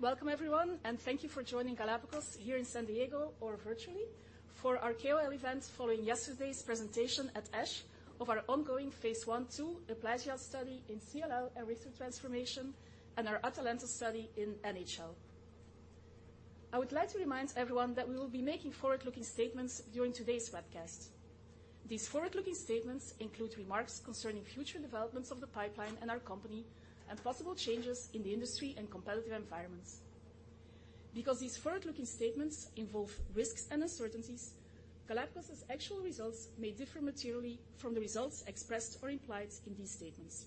Welcome everyone, and thank you for joining Galapagos here in San Diego or virtually for our KOL event following yesterday's presentation at ASH of our ongoing Phase I-II EUPLAGIA study in CLL and Richter transformation, and our ATALANTA study in NHL. I would like to remind everyone that we will be making forward-looking statements during today's webcast. These forward-looking statements include remarks concerning future developments of the pipeline and our company, and possible changes in the industry and competitive environments. Because these forward-looking statements involve risks and uncertainties, Galapagos's actual results may differ materially from the results expressed or implied in these statements.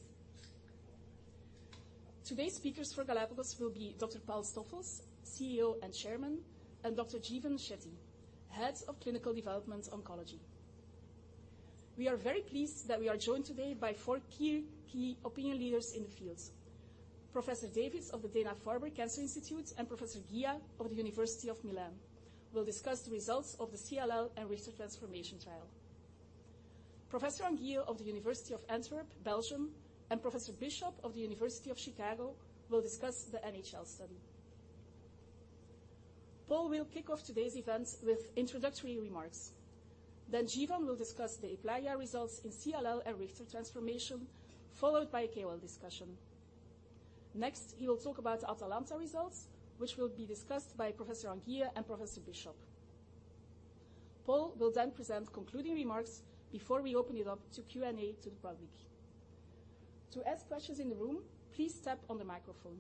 Today's speakers for Galapagos will be Dr. Paul Stoffels, CEO and Chairman, and Dr. Jeevan Shetty, Head of Clinical Development Oncology. We are very pleased that we are joined today by four key, key opinion leaders in the field. Professor Davids of the Dana-Farber Cancer Institute and Professor Ghia of the University of Milan will discuss the results of the CLL and Richter transformation trial. Professor Anguille of the University of Antwerp, Belgium, and Professor Bishop of the University of Chicago will discuss the NHL study. Paul will kick off today's event with introductory remarks. Then Jeevan will discuss the Euplagia results in CLL and Richter transformation, followed by a KOL discussion. Next, he will talk about Atalanta results, which will be discussed by Professor Anguille and Professor Bishop. Paul will then present concluding remarks before we open it up to Q&A to the public. To ask questions in the room, please tap on the microphone.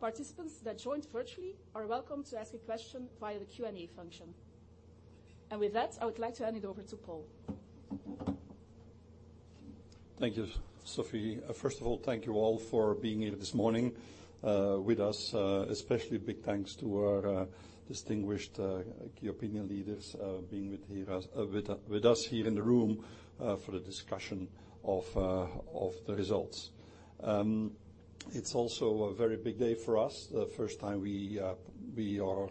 Participants that joined virtually are welcome to ask a question via the Q&A function. With that, I would like to hand it over to Paul. Thank you, Sophie. First of all, thank you all for being here this morning with us. Especially big thanks to our distinguished key opinion leaders being with us here in the room for the discussion of the results. It's also a very big day for us. The first time we are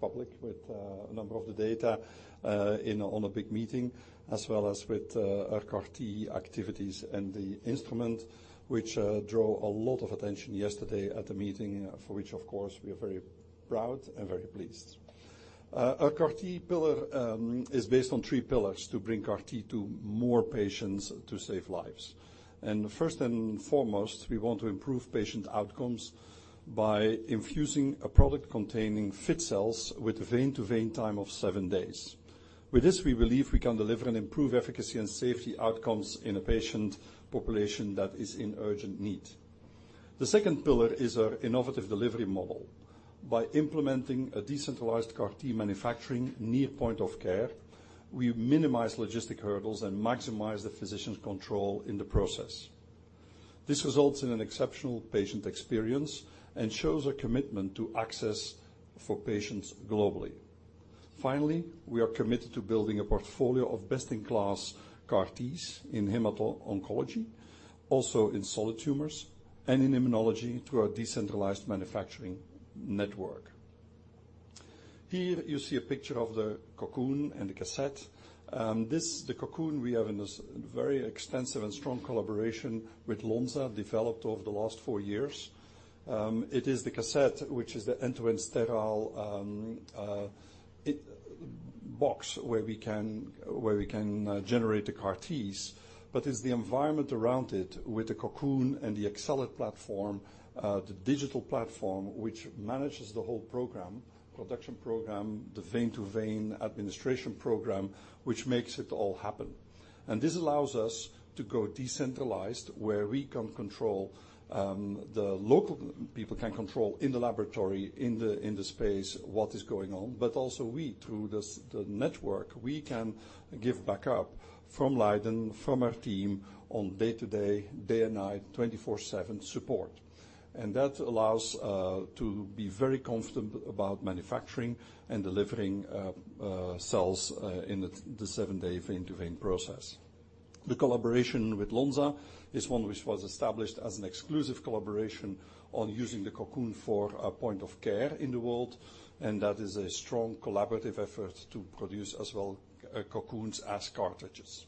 public with a number of the data on a big meeting, as well as with our CAR-T activities and the instrument, which draw a lot of attention yesterday at the meeting, for which of course, we are very proud and very pleased. Our CAR-T pillar is based on three pillars to bring CAR-T to more patients to save lives. And first and foremost, we want to improve patient outcomes by infusing a product containing fit cells with vein-to-vein time of seven days. With this, we believe we can deliver and improve efficacy and safety outcomes in a patient population that is in urgent need. The second pillar is our innovative delivery model. By implementing a decentralized CAR-T manufacturing near point of care, we minimize logistic hurdles and maximize the physician's control in the process. This results in an exceptional patient experience and shows a commitment to access for patients globally. Finally, we are committed to building a portfolio of best-in-class CAR-Ts in hemato oncology, also in solid tumors and in immunology, through our decentralized manufacturing network. Here you see a picture of the Cocoon and the cassette. This, the Cocoon we have in this very extensive and strong collaboration with Lonza, developed over the last four years. It is the cassette which is the end-to-end sterile box, where we can generate the CAR-Ts, but it's the environment around it with the Cocoon and the xCellit platform, the digital platform, which manages the whole program, production program, the vein-to-vein administration program, which makes it all happen. And this allows us to go decentralized, where we can control, the local people can control in the laboratory, in the space, what is going on, but also we, through this, the network, we can give back up from Leiden, from our team on day to day, day and night, 24/7 support. And that allows to be very confident about manufacturing and delivering cells in the seven day vein to vein process. The collaboration with Lonza is one which was established as an exclusive collaboration on using the Cocoon for point of care in the world, and that is a strong collaborative effort to produce as well Cocoons as cartridges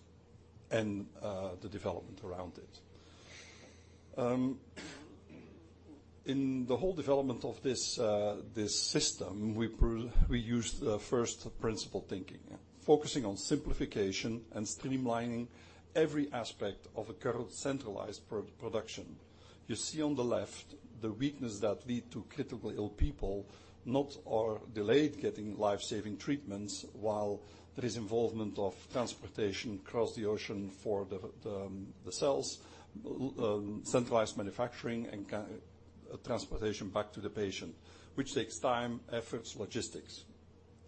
and the development around it. In the whole development of this system, we used first principle thinking, focusing on simplification and streamlining every aspect of a current centralized production. You see on the left, the weakness that led to critically ill people, not or delayed, getting life saving treatments, while there is involvement of transportation across the ocean for the cells, centralized manufacturing and transportation back to the patient, which takes time, efforts, logistics.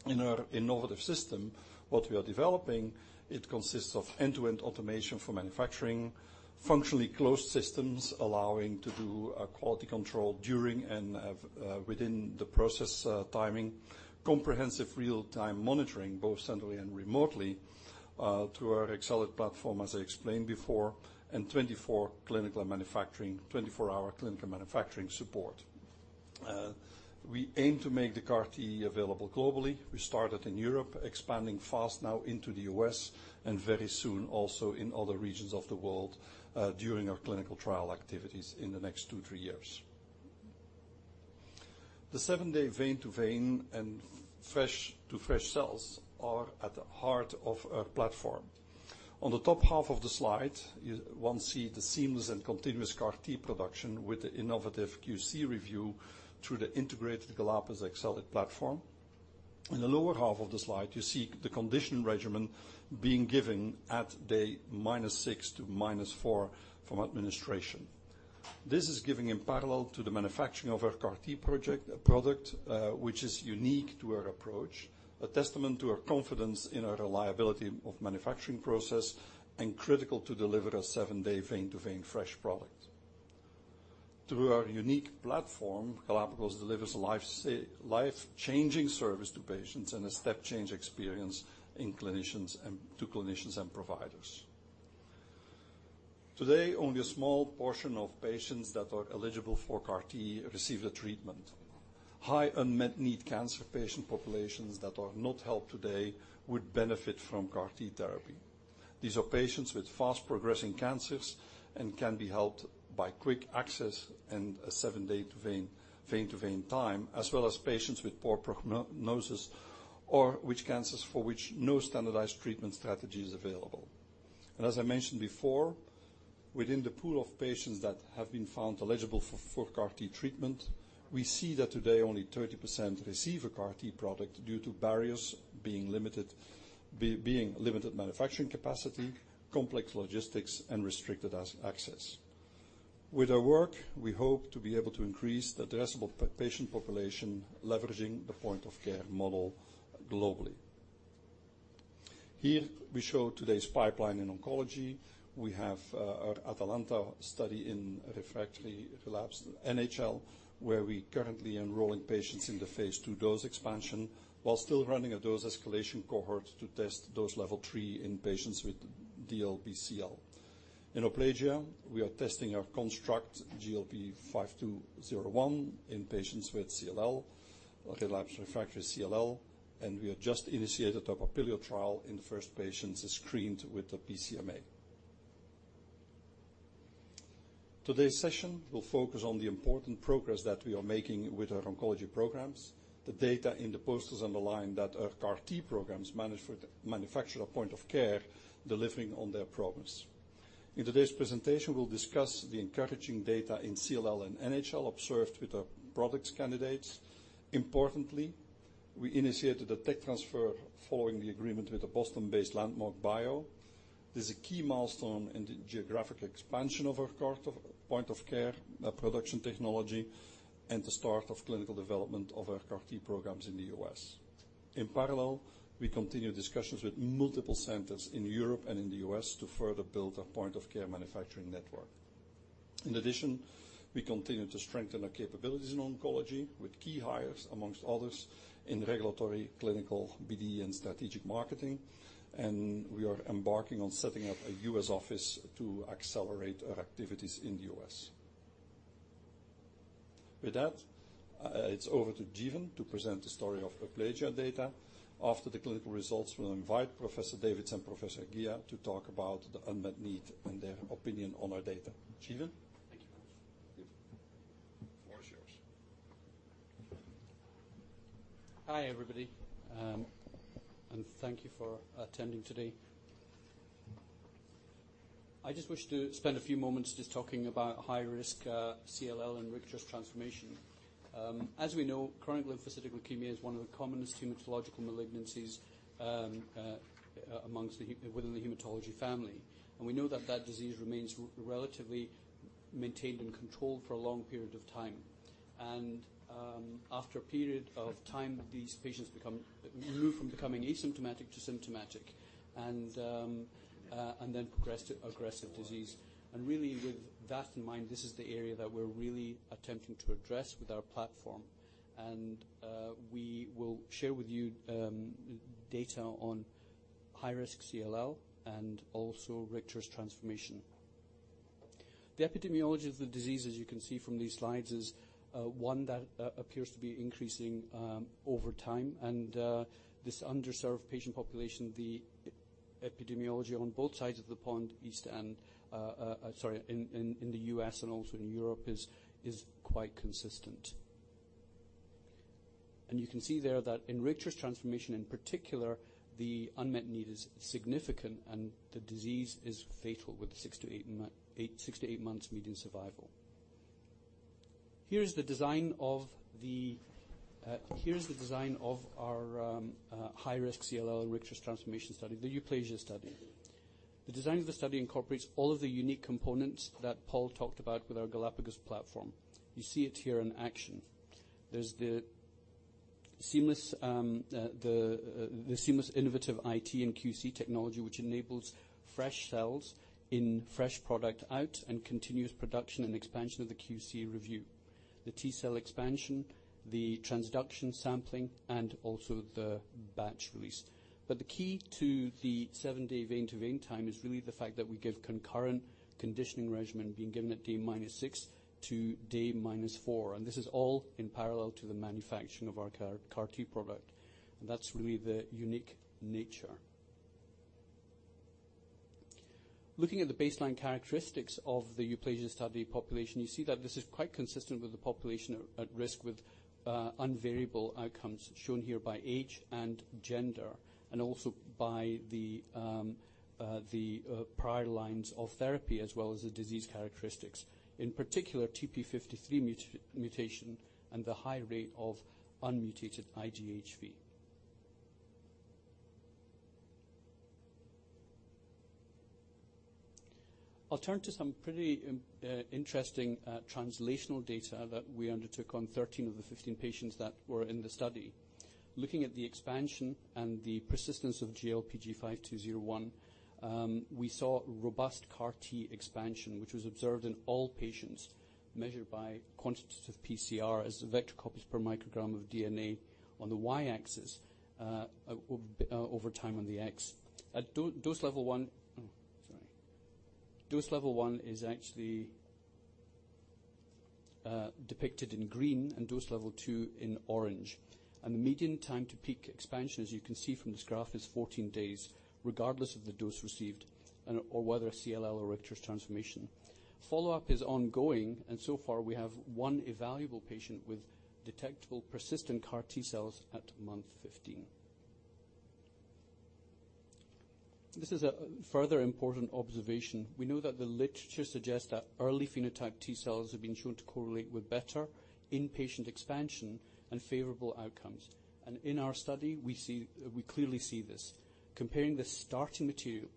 In our innovative system, what we are developing, it consists of end-to-end automation for manufacturing, functionally closed systems, allowing to do quality control during and of within the process, timing, comprehensive real-time monitoring, both centrally and remotely through our xCellit platform, as I explained before, and 24 clinical manufacturing, 24 hour clinical manufacturing support. We aim to make the CAR-T available globally. We started in Europe, expanding fast now into the U.S., and very soon also in other regions of the world during our clinical trial activities in the next two to three years. The seven day vein-to-vein and fresh-to-fresh cells are at the heart of our platform. On the top half of the slide, you one see the seamless and continuous CAR-T production with the innovative QC review through the integrated Galapagos xCellit platform. In the lower half of the slide, you see the condition regimen being given at day -6 to -4 from administration. This is giving in parallel to the manufacturing of our CAR-T product, which is unique to our approach, a testament to our confidence in our reliability of manufacturing process and critical to deliver a seven day vein-to-vein fresh product. Through our unique platform, Galapagos delivers life-changing service to patients and a step-change experience to clinicians and providers. Today, only a small portion of patients that are eligible for CAR-T receive the treatment. High unmet need cancer patient populations that are not helped today would benefit from CAR-T therapy. These are patients with fast-progressing cancers and can be helped by quick access and a seven day to vein, vein-to-vein time, as well as patients with poor prognosis, or which cancers for which no standardized treatment strategy is available. And as I mentioned before, within the pool of patients that have been found eligible for, for CAR-T treatment, we see that today only 30% receive a CAR-T product due to barriers being limited manufacturing capacity, complex logistics, and restricted access. With our work, we hope to be able to increase the addressable patient population, leveraging the point of care model globally. Here, we show today's pipeline in oncology. We have ATALANTA study in refractory relapsed NHL, where we currently enrolling patients in the phase II dose expansion, while still running a dose escalation cohort to test dose level 3 in patients with DLBCL. In EUPLAGIA-1, we are testing our construct, GLPG5201, in patients with CLL, relapsed refractory CLL, and we have just initiated a PAPILIO-1 trial in the first patients screened with the PCMA. Today's session will focus on the important progress that we are making with our oncology programs. The data in the posters underline that our CAR-T programs manufactured at point of care, delivering on their promise. In today's presentation, we'll discuss the encouraging data in CLL and NHL, observed with our product candidates. Importantly, we initiated a tech transfer following the agreement with the Boston-based Landmark Bio. This is a key milestone in the geographic expansion of our CAR-T, point-of-care production technology, and the start of clinical development of our CAR-T programs in the U.S. In parallel, we continue discussions with multiple centers in Europe and in the U.S. to further build our point of care manufacturing network. In addition, we continue to strengthen our capabilities in oncology with key hires, among others, in regulatory, clinical, BD, and strategic marketing. We are embarking on setting up a U.S. office to accelerate our activities in the U.S. With that, it's over to Jeevan to present the story of EUPLAGIA data. After the clinical results, we'll invite Professor Davids and Professor Ghia to talk about the unmet need and their opinion on our data. Jeevan? Thank you. The floor is yours. Hi, everybody, and thank you for attending today. I just wish to spend a few moments just talking about high-risk CLL and Richter's transformation. As we know, chronic lymphocytic leukemia is one of the commonest hematological malignancies, among within the hematology family, and we know that that disease remains relatively maintained and controlled for a long period of time. After a period of time, these patients become move from becoming asymptomatic to symptomatic, and then progressive aggressive disease. Really, with that in mind, this is the area that we're really attempting to address with our platform. We will share with you data on high-risk CLL and also Richter's transformation. The epidemiology of the disease, as you can see from these slides, is one that appears to be increasing over time. This underserved patient population, the epidemiology on both sides of the pond, in the U.S. and also in Europe, is quite consistent. You can see there that in Richter's transformation in particular, the unmet need is significant, and the disease is fatal, with six to eight months median survival. Here's the design of our high-risk CLL Richter's transformation study, the EUPLAGIA study. The design of the study incorporates all of the unique components that Paul talked about with our Galapagos platform. You see it here in action. There's the seamless innovative IT and QC technology, which enables fresh cells in, fresh product out, and continuous production and expansion of the QC review. The T-cell expansion, the transduction sampling, and also the batch release. But the key to the seven-day vein-to-vein time is really the fact that we give concurrent conditioning regimen being given at day -6 to day -4, and this is all in parallel to the manufacturing of our CAR, CAR-T product. And that's really the unique nature. Looking at the baseline characteristics of the EUPLAGIA-1 study population, you see that this is quite consistent with the population at risk, with unfavorable outcomes shown here by age and gender, and also by the prior lines of therapy, as well as the disease characteristics. In particular, TP53 mutation and the high rate of unmutated IGHV. I'll turn to some pretty interesting translational data that we undertook on 13 of the 15 patients that were in the study. Looking at the expansion and the persistence of GLPG 5201, we saw robust CAR-T expansion, which was observed in all patients measured by quantitative PCR as the vector copies per microgram of DNA on the y-axis, over time on the x. Dose level 1 is actually depicted in green, and dose level 2 in orange. The median time to peak expansion, as you can see from this graph, is 14 days, regardless of the dose received and or whether CLL or Richter's transformation. Follow-up is ongoing, and so far we have one evaluable patient with detectable persistent CAR-T cells at month 15. This is a further important observation. We know that the literature suggests that early phenotype T cells have been shown to correlate with better in-patient expansion and favorable outcomes, and in our study, we clearly see this. Comparing the starting material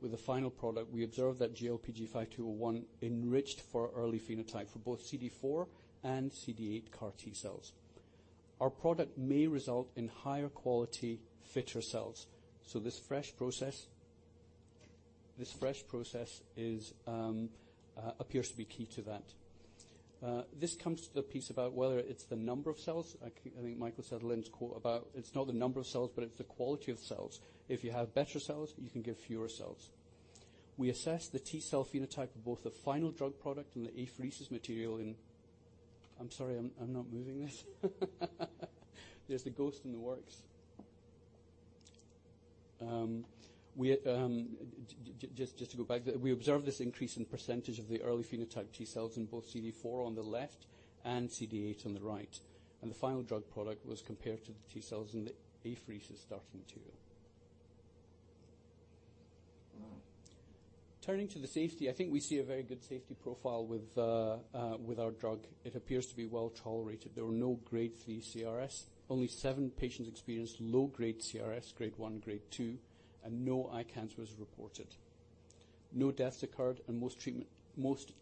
with the final product, we observed that GLPG5201 enriched for early phenotype for both CD4 and CD8 CAR T cells. Our product may result in higher quality fitter cells, so this fresh process appears to be key to that. This comes to the piece about whether it's the number of cells. I think Michael Sadelain's quote about it's not the number of cells, but it's the quality of cells. If you have better cells, you can give fewer cells. We assessed the T cell phenotype of both the final drug product and the apheresis material. We observed this increase in percentage of the early phenotype T cells in both CD4 on the left and CD8 on the right, and the final drug product was compared to the T cells in the apheresis starting material. Turning to the safety, I think we see a very good safety profile with our drug. It appears to be well tolerated. There were no grade three CRS. Only seven patients experienced low grade CRS, grade one, grade two, and no ICANS was reported. No deaths occurred, and most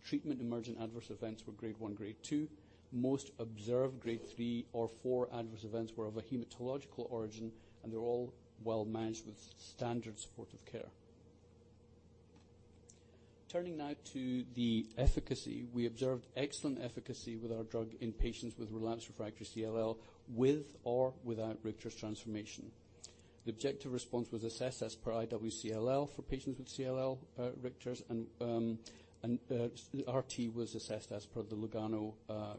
treatment emergent adverse events were grade one, grade two. Most observed grade three or four adverse events were of a hematological origin, and they're all well managed with standard supportive care. Turning now to the efficacy, we observed excellent efficacy with our drug in patients with relapsed refractory CLL, with or without Richter transformation. The objective response was assessed as per iwCLL for patients with CLL, Richter's and RT was assessed as per the Lugano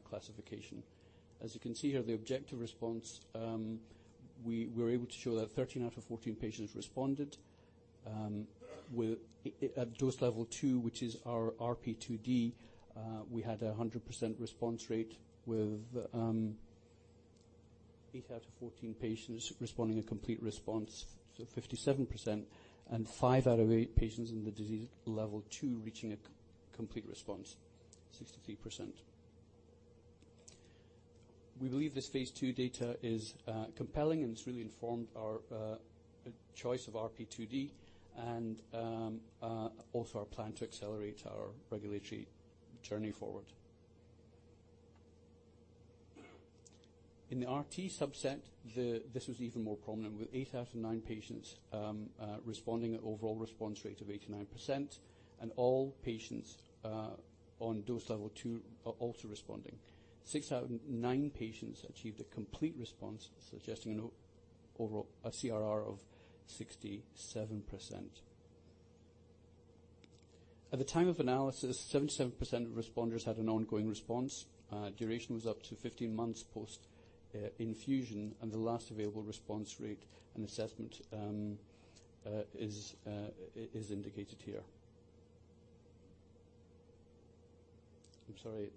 classification. As you can see here, the objective response, we're able to show that 13 out of 14 patients responded with at dose level two, which is our RP2D, we had a 100% response rate, with eight out of 14 patients responding to complete response, so 57%, and five out of eight patients in the dose level two reaching a complete response, 63%. We believe this phase II data is compelling, and it's really informed our choice of RP2D, and also our plan to accelerate our regulatory journey forward. In the RT subset, this was even more prominent, with eight out of nine patients responding, an overall response rate of 89%, and all patients on dose level 2 are also responding. Six out of nine patients achieved a complete response, suggesting an overall, a CRR of 67%. At the time of analysis, 77% of responders had an ongoing response. Duration was up to 15 months post infusion, and the last available response rate and assessment is indicated here. I'm sorry,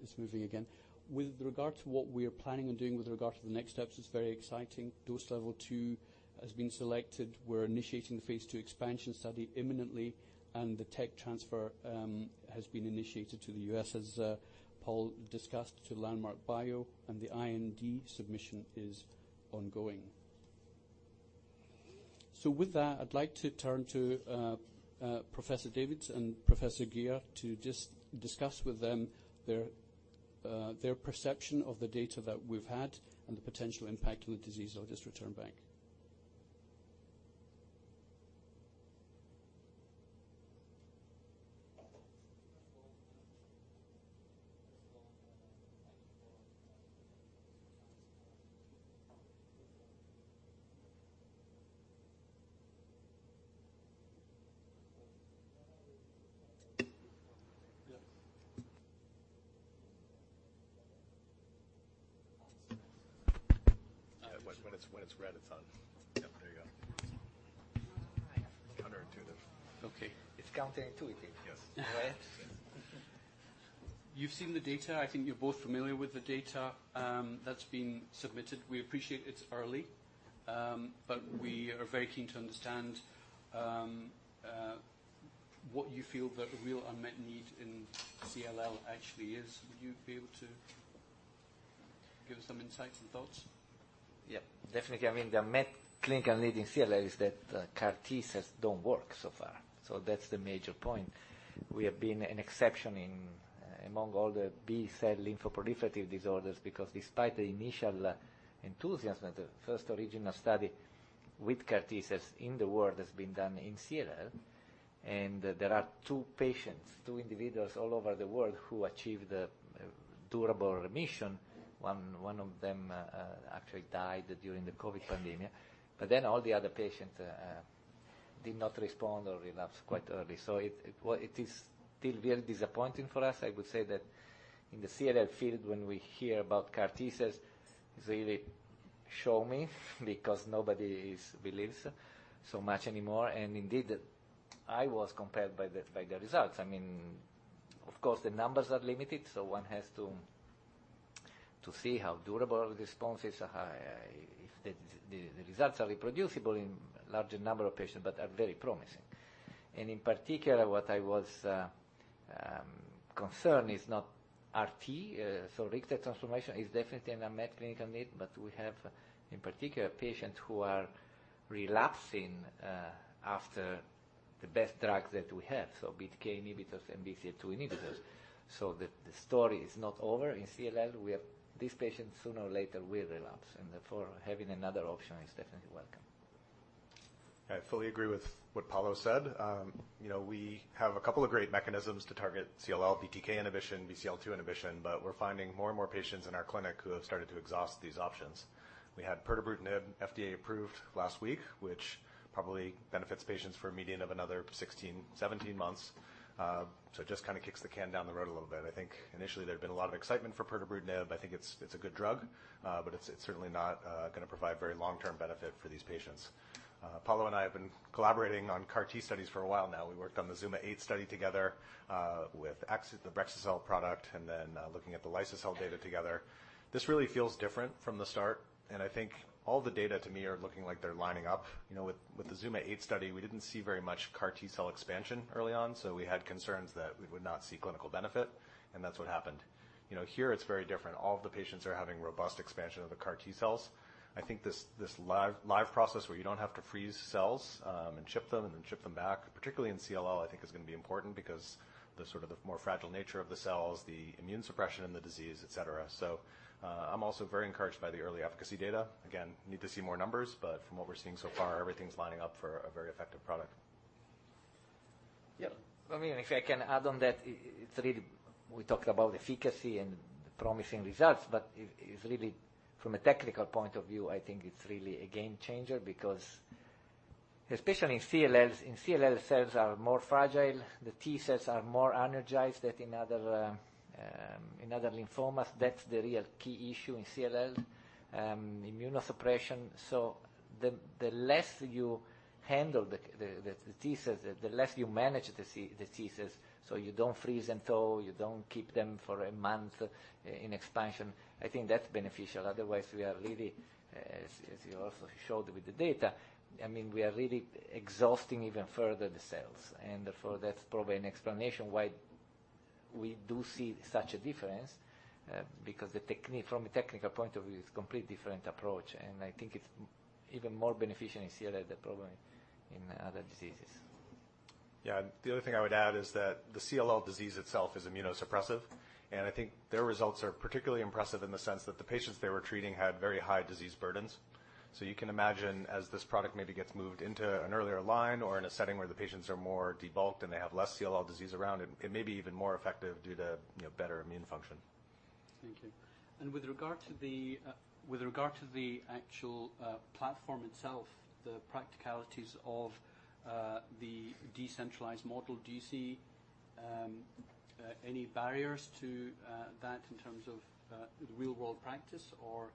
it's moving again. With regard to what we are planning on doing with regard to the next steps, it's very exciting. Dose level 2 has been selected. We're initiating the phase II expansion study imminently, and the tech transfer has been initiated to the U.S., as Paul discussed, to Landmark Bio, and the IND submission is ongoing. So with that, I'd like to turn to Professor Davids and Professor Ghia to just discuss with them their perception of the data that we've had and the potential impact on the disease. I'll just return back. When it's red, it's on. Yep, there you go. Counterintuitive. Okay. It's counterintuitive. Yes. Right? You've seen the data. I think you're both familiar with the data, that's been submitted. We appreciate it's early, but we are very keen to understand what you feel the real unmet need in CLL actually is. Would you be able to give us some insights and thoughts? Yeah, definitely. I mean, the unmet clinical need in CLL is that, CAR T cells don't work so far, so that's the major point. We have been an exception in, among all the B cell lymphoproliferative disorders because despite the initial enthusiasm, the first original study with CAR T cells in the world has been done in CLL, and there are two patients, two individuals all over the world who achieved the durable remission. One of them, actually died during the COVID pandemic, but then all the other patients, did not respond or relapsed quite early. So it, well, it is still very disappointing for us. I would say that in the CLL field, when we hear about CAR T cells, it's really, "Show me," because nobody believes so much anymore. And indeed, I was compelled by the results. I mean, of course, the numbers are limited, so one has to see how durable the response is, if the results are reproducible in larger number of patients, but are very promising. And in particular, what I was concerned is not RT. So Richter transformation is definitely an unmet clinical need, but we have, in particular, patients who are relapsing after the best drugs that we have, so BTK inhibitors and BCL-2 inhibitors. So the story is not over in CLL. We have these patients, sooner or later, will relapse, and therefore, having another option is definitely welcome. I fully agree with what Paolo said. You know, we have a couple of great mechanisms to target CLL, BTK inhibition, BCL-2 inhibition, but we're finding more and more patients in our clinic who have started to exhaust these options. We had pirtobrutinib FDA-approved last week, which probably benefits patients for a median of another 16 to 17 months. So it just kind of kicks the can down the road a little bit. I think initially there'd been a lot of excitement for pirtobrutinib. I think it's, it's a good drug, but it's, it's certainly not gonna provide very long-term benefit for these patients. Paolo and I have been collaborating on CAR-T studies for a while now. We worked on the ZUMA-8 study together, with axi-cel, the brexu-cel product, and then, looking at the liso-cel data together. This really feels different from the start, and I think all the data to me are looking like they're lining up. You know, with the ZUMA-8 study, we didn't see very much CAR T cell expansion early on, so we had concerns that we would not see clinical benefit, and that's what happened. You know, here it's very different. All of the patients are having robust expansion of the CAR T cells. I think this live process where you don't have to freeze cells and ship them and then ship them back, particularly in CLL, I think is gonna be important because the sort of the more fragile nature of the cells, the immune suppression and the disease, etcetera. So, I'm also very encouraged by the early efficacy data. Again, need to see more numbers, but from what we're seeing so far, everything's lining up for a very effective product. Yeah. I mean, if I can add on that, it's really. We talked about efficacy and promising results, but it's really from a technical point of view, I think it's really a game changer because especially in CLL, cells are more fragile, the T cells are more energized than in other, in other lymphomas. That's the real key issue in CLL, immunosuppression. So the less you handle the T cells, the less you manage the T cells, so you don't freeze and thaw, you don't keep them for a month in expansion, I think that's beneficial. Otherwise, we are really, as you also showed with the data, I mean, we are really exhausting even further the cells. Therefore, that's probably an explanation why we do see such a difference, because from a technical point of view, it's a completely different approach, and I think it's even more beneficial in CLL than probably in other diseases. Yeah. The other thing I would add is that the CLL disease itself is immunosuppressive, and I think their results are particularly impressive in the sense that the patients they were treating had very high disease burdens. So you can imagine, as this product maybe gets moved into an earlier line or in a setting where the patients are more debulked and they have less CLL disease around it, it may be even more effective due to, you know, better immune function. Thank you. And with regard to the actual platform itself, the practicalities of the decentralized model, do you see any barriers to that in terms of the real-world practice? Or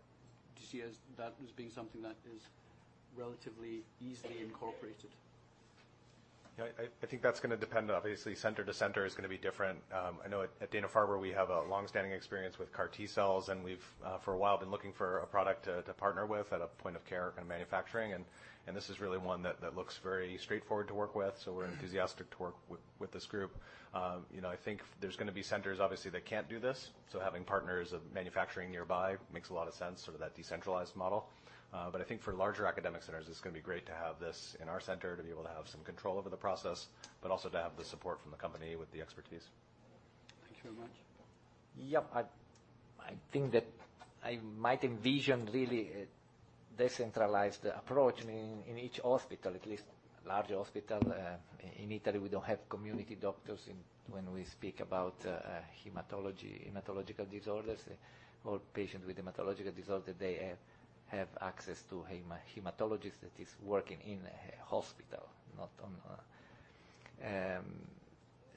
do you see that as being something that is relatively easily incorporated? Yeah, I think that's gonna depend. Obviously, center to center is gonna be different. I know at Dana-Farber, we have a long-standing experience with CAR T cells, and we've for a while been looking for a product to partner with at a point of care and manufacturing, and this is really one that looks very straightforward to work with. So we're enthusiastic to work with this group. You know, I think there's gonna be centers, obviously, that can't do this, so having partners of manufacturing nearby makes a lot of sense, sort of that decentralized model. But I think for larger academic centers, it's gonna be great to have this in our center, to be able to have some control over the process, but also to have the support from the company with the expertise. Thank you very much. Yep. I think that I might envision really decentralized approach, meaning in each hospital, at least large hospital, in Italy, we don't have community doctors in when we speak about hematology, hematological disorders. All patients with hematological disorder, they have access to hematologist that is working in a hospital.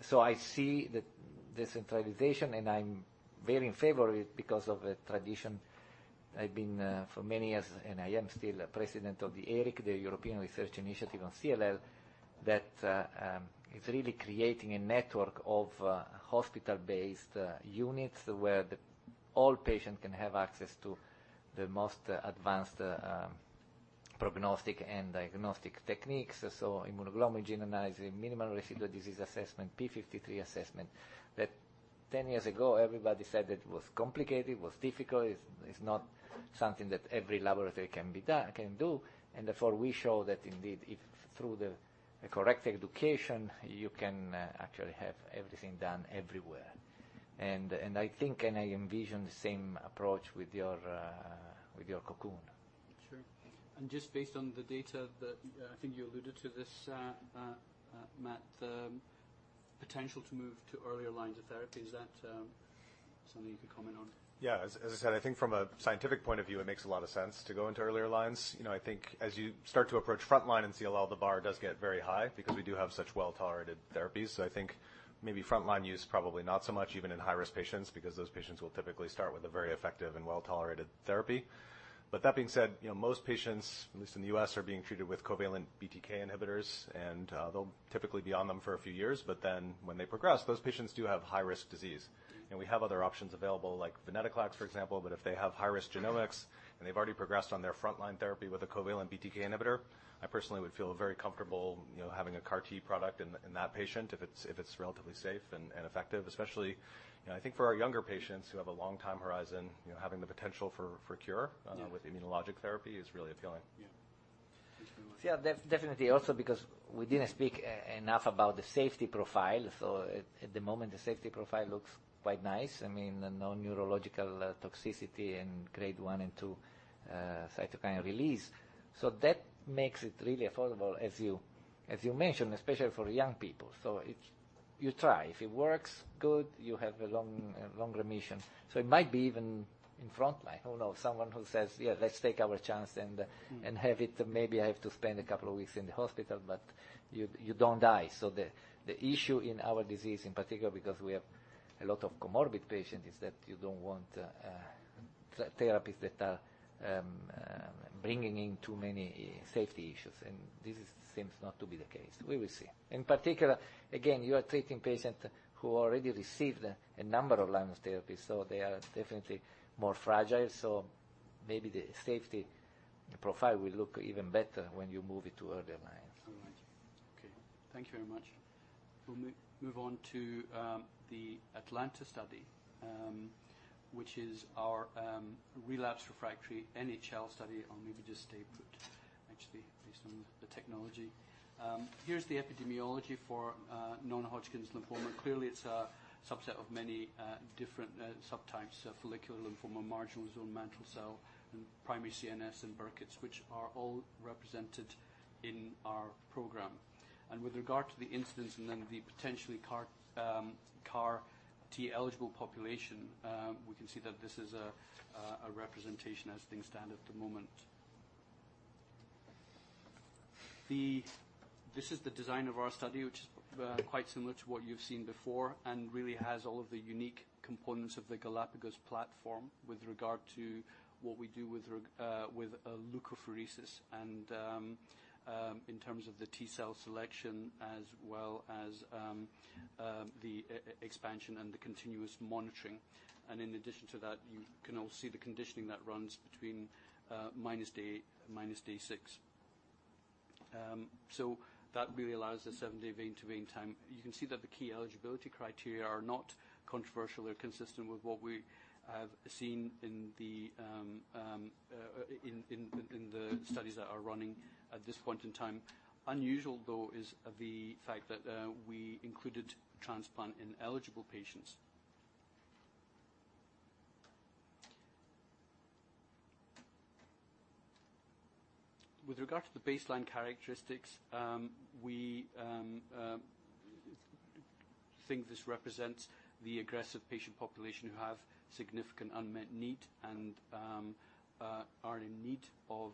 So I see the decentralization, and I'm very in favor of it because of a tradition. I've been for many years, and I am still a president of the ERIC, the European Research Initiative on CLL, that is really creating a network of hospital-based units where all patients can have access to the most advanced prognostic and diagnostic techniques. So immunoglobulin gene analysis, minimal residual disease assessment, P-53 assessment, that 10 years ago everybody said it was complicated, it was difficult. It's not something that every laboratory can do, and therefore, we show that indeed, if through the correct education, you can actually have everything done everywhere. And I think, I envision the same approach with your Cocoon. Sure. And just based on the data that, I think you alluded to this, Matt, the potential to move to earlier lines of therapy, is that something you can comment on? Yeah. As I said, I think from a scientific point of view, it makes a lot of sense to go into earlier lines. You know, I think as you start to approach frontline and CLL, the bar does get very high because we do have such well-tolerated therapies. So I think maybe frontline use, probably not so much, even in high-risk patients, because those patients will typically start with a very effective and well-tolerated therapy. But that being said, you know, most patients, at least in the U.S., are being treated with covalent BTK inhibitors, and they'll typically be on them for a few years. But then, when they progress, those patients do have high-risk disease, and we have other options available, like venetoclax, for example. But if they have high-risk genomics, and they've already progressed on their frontline therapy with a covalent BTK inhibitor, I personally would feel very comfortable, you know, having a CAR-T product in, in that patient, if it's, if it's relatively safe and, and effective, especially, you know, I think for our younger patients who have a long time horizon, you know, having the potential for, for cure? Yeah. with immunologic therapy is really appealing. Yeah. Thanks very much. Yeah, definitely. Also, because we didn't speak enough about the safety profile. So at the moment, the safety profile looks quite nice. I mean, no neurological toxicity and grade 1 and 2 cytokine release. So that makes it really affordable, as you mentioned, especially for young people. So it's. You try. If it works, good, you have a long remission. So it might be even in frontline, who knows? Someone who says: "Yeah, let's take our chance and have it. Maybe I have to spend a couple of weeks in the hospital," but you don't die. So the issue in our disease, in particular because we have a lot of comorbid patients, is that you don't want therapies that are bringing in too many safety issues, and this seems not to be the case. We will see. In particular, again, you are treating patients who already received a number of lines of therapy, so they are definitely more fragile. So maybe the safety profile will look even better when you move it to earlier lines. All right. Okay. Thank you very much. We'll move on to the Atalanta-1 study, which is our relapsed refractory NHL study. I'll maybe just stay put, actually, based on the technology. Here's the epidemiology for non-Hodgkin lymphoma. Clearly, it's a subset of many different subtypes of follicular lymphoma, marginal zone, mantle cell, and primary CNS and Burkitt's, which are all represented in our program. With regard to the incidence and then the potentially CAR-T eligible population, we can see that this is a representation as things stand at the moment. This is the design of our study, which is quite similar to what you've seen before, and really has all of the unique components of the Galapagos platform with regard to what we do with leukapheresis and in terms of the T-cell selection, as well as the expansion and the continuous monitoring. In addition to that, you can also see the conditioning that runs between minus day eight and minus day six. So that really allows the seven-day vein-to-vein time. You can see that the key eligibility criteria are not controversial. They're consistent with what we have seen in the studies that are running at this point in time. Unusual, though, is the fact that we included transplant-ineligible patients. With regard to the baseline characteristics, we think this represents the aggressive patient population who have significant unmet need and are in need of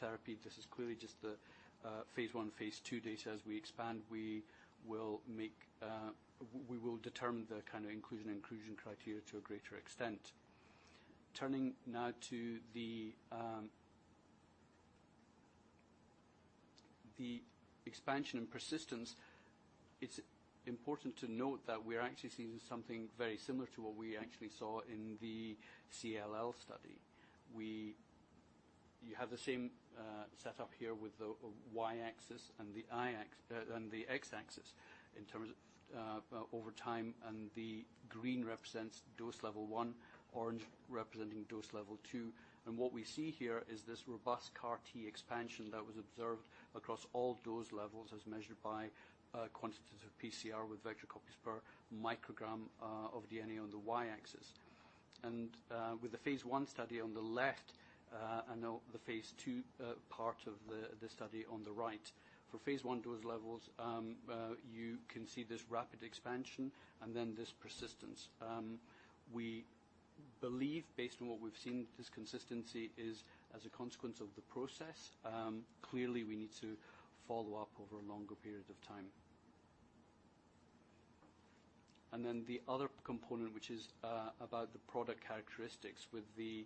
therapy. This is clearly just the phase I, phase II data. As we expand, we will determine the kind of inclusion criteria to a greater extent. Turning now to the expansion and persistence, it's important to note that we're actually seeing something very similar to what we actually saw in the CLL study. You have the same setup here with the Y-axis and the X-axis in terms of over time, and the green represents dose level 1, orange representing dose level 2. What we see here is this robust CAR-T expansion that was observed across all dose levels, as measured by quantitative PCR with vector copies per microgram of DNA on the Y-axis. And with the phase I study on the left and now the phase II part of the study on the right. For phase I dose levels, you can see this rapid expansion and then this persistence. We believe, based on what we've seen, this consistency is as a consequence of the process. Clearly, we need to follow up over a longer period of time. And then the other component, which is about the product characteristics with the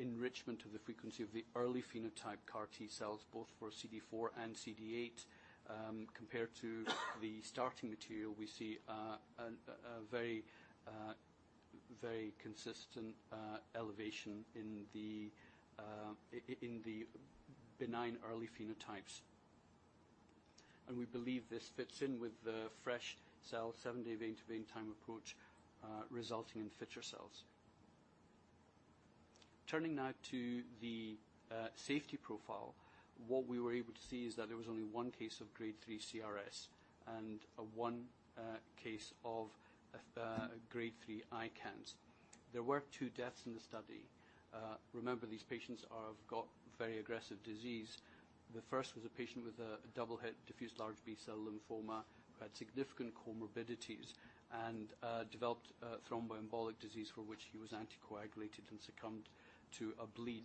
enrichment of the frequency of the early phenotype CAR-T cells, both for CD4 and CD8. Compared to the starting material, we see a very consistent elevation in the benign early phenotypes. We believe this fits in with the fresh cell, seven-day vein-to-vein time approach, resulting in fitter cells. Turning now to the safety profile. What we were able to see is that there was only one case of grade three CRS and one case of grade three ICANS. There were two deaths in the study. Remember, these patients have got very aggressive disease. The first was a patient with a double-hit diffuse large B-cell lymphoma, who had significant comorbidities and developed thromboembolic disease, for which he was anticoagulated and succumbed to a bleed.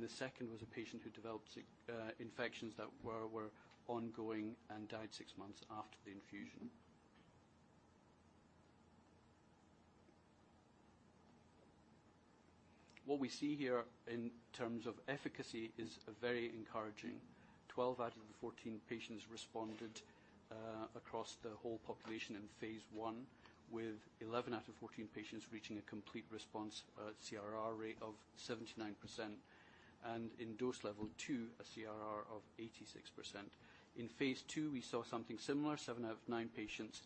The second was a patient who developed significant infections that were ongoing and died six months after the infusion. What we see here in terms of efficacy is very encouraging. 12 out of the 14 patients responded across the whole population in phase I, with 11 out of 14 patients reaching a complete response, CRR rate of 79%, and in dose level two, a CRR of 86%. In phase II, we saw something similar. Seven out of nine patients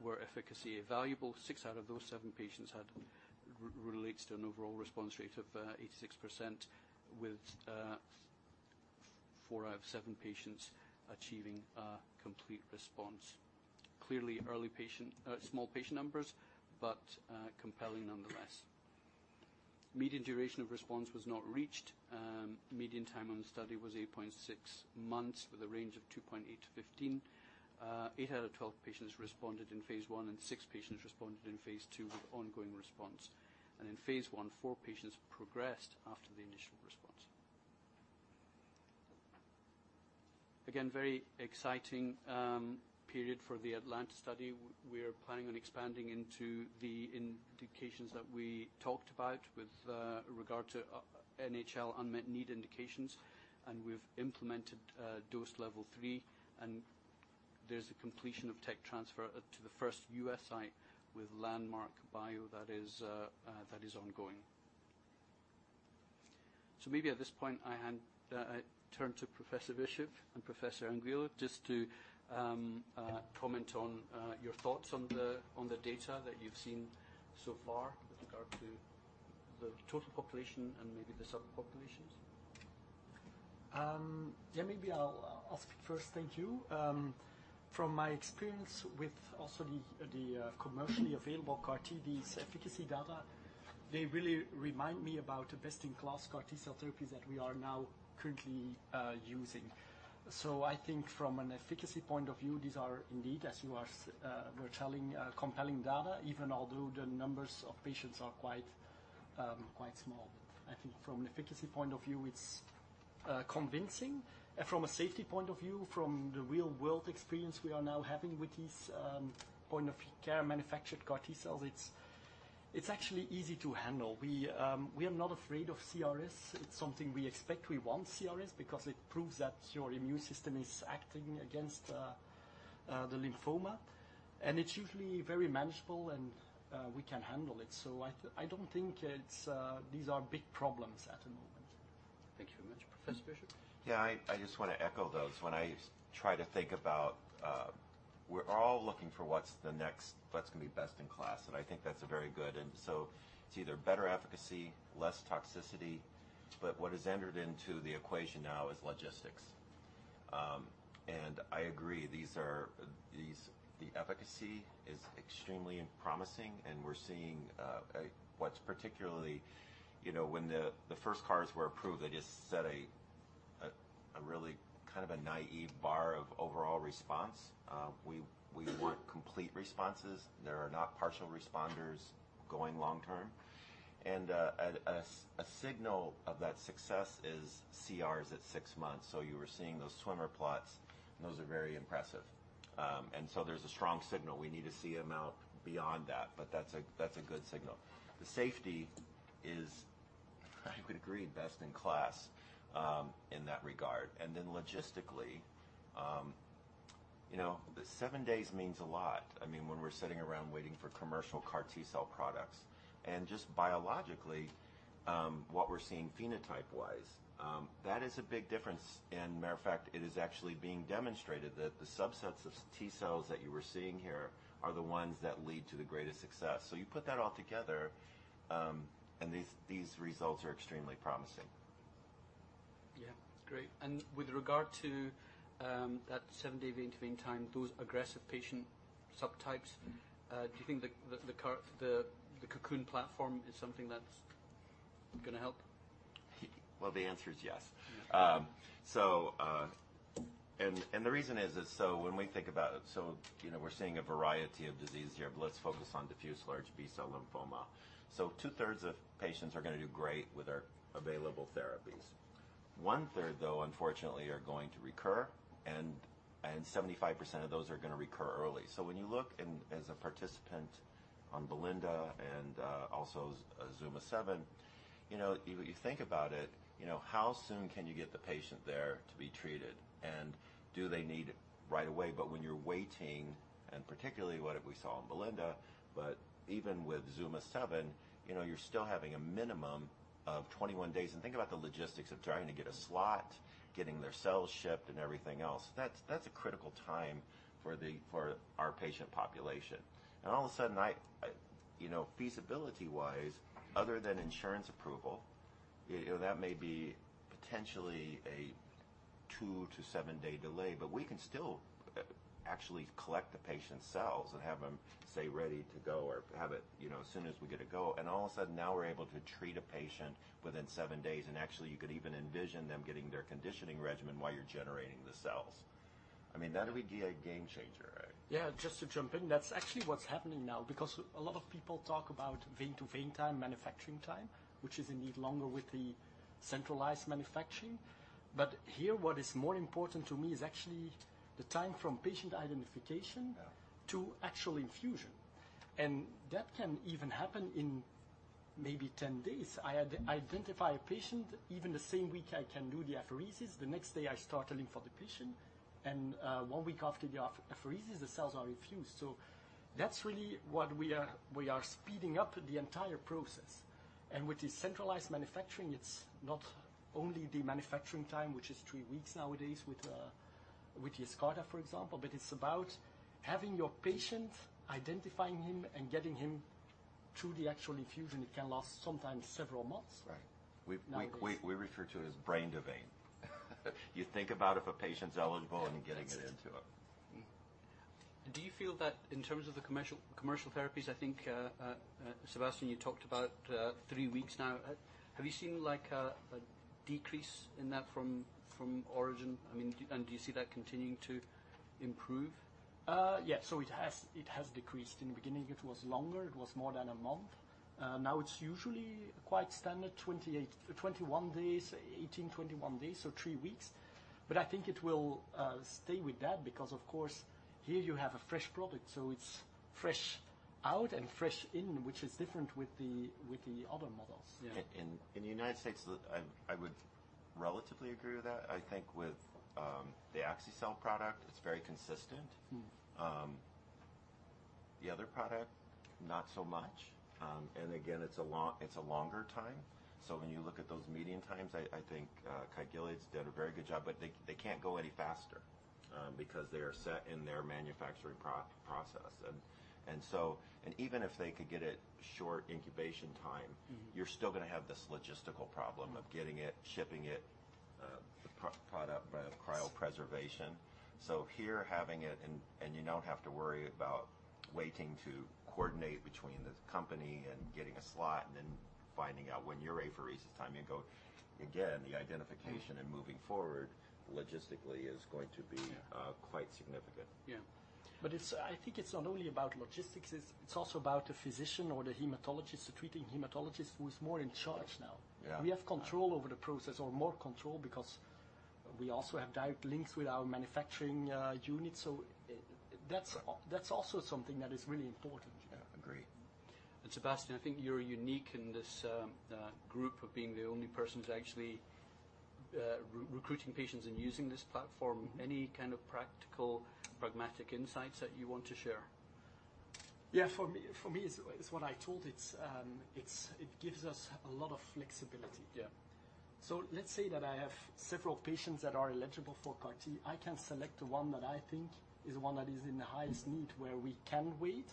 were efficacy evaluable. Six out of those seven patients responded, relating to an overall response rate of 86%, with four out of seven patients achieving a complete response. Clearly, early, small patient numbers, but compelling nonetheless. Median duration of response was not reached. Median time on the study was 8.6 months, with a range of 2.8 to 15. Eight out of 12 patients responded in phase I, and six patients responded in phase II with ongoing response. In phase I, four patients progressed after the initial response. Again, very exciting period for the ATALANTA-1 study. We are planning on expanding into the indications that we talked about with regard to NHL unmet need indications, and we've implemented dose level 3, and there's a completion of tech transfer to the first U.S. site with Landmark Bio that is ongoing. So maybe at this point, I hand turn to Professor Bishop and Professor Anguille, just to comment on your thoughts on the data that you've seen so far with regard to the total population and maybe the subpopulations. Yeah, maybe I'll, I'll speak first. Thank you. From my experience with also the, the, commercially available CAR-T, these efficacy data, they really remind me about the best-in-class CAR-T cell therapies that we are now currently, using. So I think from an efficacy point of view, these are indeed, as you were telling, compelling data, even although the numbers of patients are quite, quite small. I think from an efficacy point of view, it's, convincing. And from a safety point of view, from the real-world experience we are now having with these, point-of-care manufactured CAR-T cells, it's, it's actually easy to handle. We, we are not afraid of CRS. It's something we expect. We want CRS because it proves that your immune system is acting against the lymphoma, and it's usually very manageable, and we can handle it. So I don't think it's these are big problems at the moment. Thank you very much. Professor Bishop? Yeah, I just want to echo those. When I try to think about, we're all looking for what's the next, what's going to be best in class, and I think that's a very good and so it's either better efficacy, less toxicity, but what has entered into the equation now is logistics. And I agree, these are the efficacy is extremely promising, and we're seeing a, what's particularly, you know, when the first CARs were approved, they just set a really kind of a naive bar of overall response. We want complete responses. There are not partial responders going long term. And a signal of that success is CRs at six months. So you were seeing those swimmer plots, and those are very impressive. And so there's a strong signal. We need to see them out beyond that, but that's a good signal. The safety is, I would agree, best in class, in that regard. And then logistically, you know, the seven days means a lot. I mean, when we're sitting around waiting for commercial CAR-T cell products and just biologically, what we're seeing phenotype-wise, that is a big difference. And matter of fact, it is actually being demonstrated that the subsets of T cells that you were seeing here are the ones that lead to the greatest success. So you put that all together, and these results are extremely promising. Yeah, great. And with regard to that seven-day vein-to-vein time, those aggressive patient subtypes, do you think the Cocoon platform is something that's gonna help? Well, the answer is yes. And the reason is, so when we think about it, so, you know, we're seeing a variety of disease here, but let's focus on diffuse large B-cell lymphoma. So two-thirds of patients are gonna do great with our available therapies. One-third, though, unfortunately, are going to recur, and 75% of those are gonna recur early. So when you look and as a participant on Belinda and also Zuma-7, you know, you think about it, you know, how soon can you get the patient there to be treated? And do they need right away? But when you're waiting, and particularly what we saw on Belinda, but even with Zuma-7, you know, you're still having a minimum of 21 days. And think about the logistics of trying to get a slot, getting their cells shipped, and everything else. That's a critical time for our patient population. All of a sudden, I, you know, feasibility-wise, other than insurance approval, you know, that may be potentially a two to seven-day delay, but we can still actually collect the patient's cells and have them, say, ready to go or have it, you know, as soon as we get a go, and all of a sudden now we're able to treat a patient within seven days, and actually, you could even envision them getting their conditioning regimen while you're generating the cells. I mean, that would be a game changer, right? Yeah, just to jump in, that's actually what's happening now, because a lot of people talk about vein-to-vein time, manufacturing time, which is indeed longer with the centralized manufacturing. But here, what is more important to me is actually the time from patient identification? Yeah To actual infusion, and that can even happen in maybe 10 days. I identify a patient, even the same week I can do the apheresis. The next day, I start lymph for the patient, and one week after the apheresis, the cells are infused. So that's really what we are, we are speeding up the entire process, and with this centralized manufacturing, it's not only the manufacturing time, which is three weeks nowadays with Yescarta, for example, but it's about having your patient, identifying him, and getting him to the actual infusion. It can last sometimes several months. Right. Now. We refer to it as brain to vein. You think about if a patient's eligible and getting it into them. Do you feel that in terms of the commercial therapies, I think, Sébastien, you talked about three weeks now? Have you seen, like, a decrease in that from origin? I mean, and do you see that continuing to improve? Yeah. So it has, it has decreased. In the beginning, it was longer. It was more than a month. Now it's usually quite standard, 28, 21 days, 18, 21 days, so three weeks. But I think it will stay with that because, of course, here you have a fresh product, so it's fresh out and fresh in, which is different with the, with the other models? Yeah. In the United States, I would relatively agree with that. I think with the axi-cel product, it's very consistent. Mm-hmm. The other product, not so much. And again, it's a longer time. So when you look at those median times, I think Kite Gilead's did a very good job, but they can't go any faster, because they are set in their manufacturing process. And so. And even if they could get a short incubation time. Mm-hmm You're still gonna have this logistical problem of getting it, shipping it, the product, cryopreservation. So here, having it, and you don't have to worry about waiting to coordinate between the company and getting a slot and then finding out when your apheresis time you go. Again, the identification and moving forward logistically is going to be. Yeah Quite significant. Yeah. But it's, I think it's not only about logistics, it's, it's also about the physician or the hematologist, the treating hematologist, who is more in charge now? Yeah. We have control over the process or more control because we also have direct links with our manufacturing unit. So that's also something that is really important. Yeah, agreed. Sébastien, I think you're unique in this group of being the only person who's actually recruiting patients and using this platform. Mm-hmm. Any kind of practical, pragmatic insights that you want to share? Yeah, for me, it's what I told it. It gives us a lot of flexibility. Yeah. So let's say that I have several patients that are eligible for CAR T. I can select the one that I think is the one that is in the highest need, where we can wait.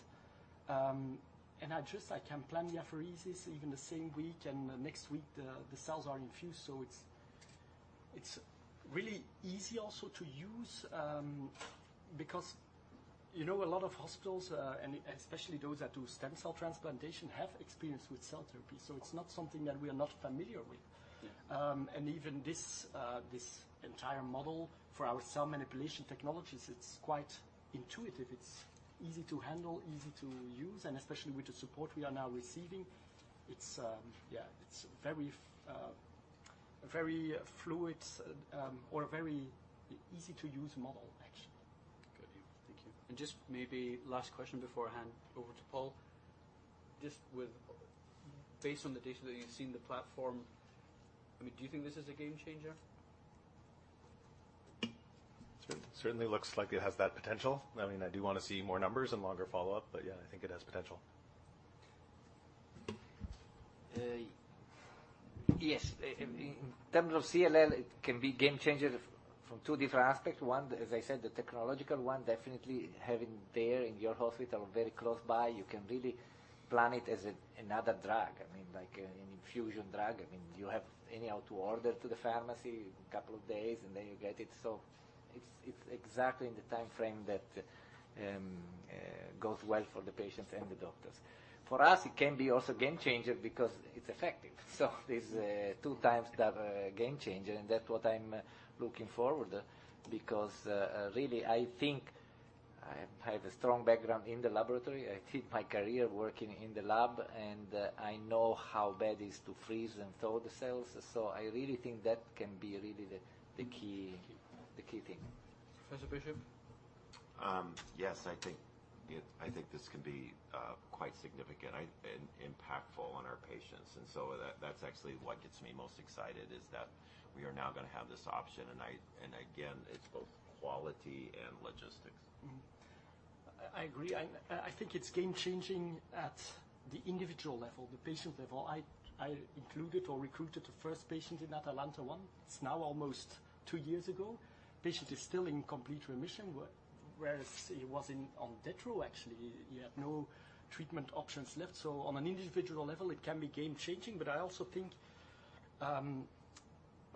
And I just, I can plan the apheresis even the same week, and next week, the cells are infused. So it's really easy also to use, because, you know, a lot of hospitals, and especially those that do stem cell transplantation, have experience with cell therapy, so it's not something that we are not familiar with. Yeah. And even this, this entire model for our cell manipulation technologies, it's quite intuitive. It's easy to handle, easy to use, and especially with the support we are now receiving, it's, yeah, it's very, a very fluid, or a very easy-to-use model, actually. Good. Thank you. Just maybe last question before I hand over to Paul. Just with. Based on the data that you've seen, the platform, I mean, do you think this is a game changer? It certainly looks like it has that potential. I mean, I do wanna see more numbers and longer follow-up, but yeah, I think it has potential. Yes. In terms of CLL, it can be game changer if- From two different aspects. One, as I said, the technological one, definitely having there in your hospital very close by, you can really plan it as a another drug. I mean, like an infusion drug. I mean, you have anyhow to order to the pharmacy couple of days, and then you get it. So it's exactly in the time frame that goes well for the patients and the doctors. For us, it can be also game changer because it's effective. So this is a two times the game changer, and that's what I'm looking forward because really, I think I have a strong background in the laboratory. I did my career working in the lab, and I know how bad is to freeze and thaw the cells, so I really think that can be really the key. Key. The key thing. Professor Bishop? Yes, I think it. I think this can be quite significant and impactful on our patients, and so that's actually what gets me most excited, is that we are now gonna have this option. And again, it's both quality and logistics. Mm-hmm. I agree. I think it's game-changing at the individual level, the patient level. I included or recruited the first patient in ATALANTA-1. It's now almost two years ago. Patient is still in complete remission, whereas he was in on death row actually. He had no treatment options left. So on an individual level, it can be game changing. But I also think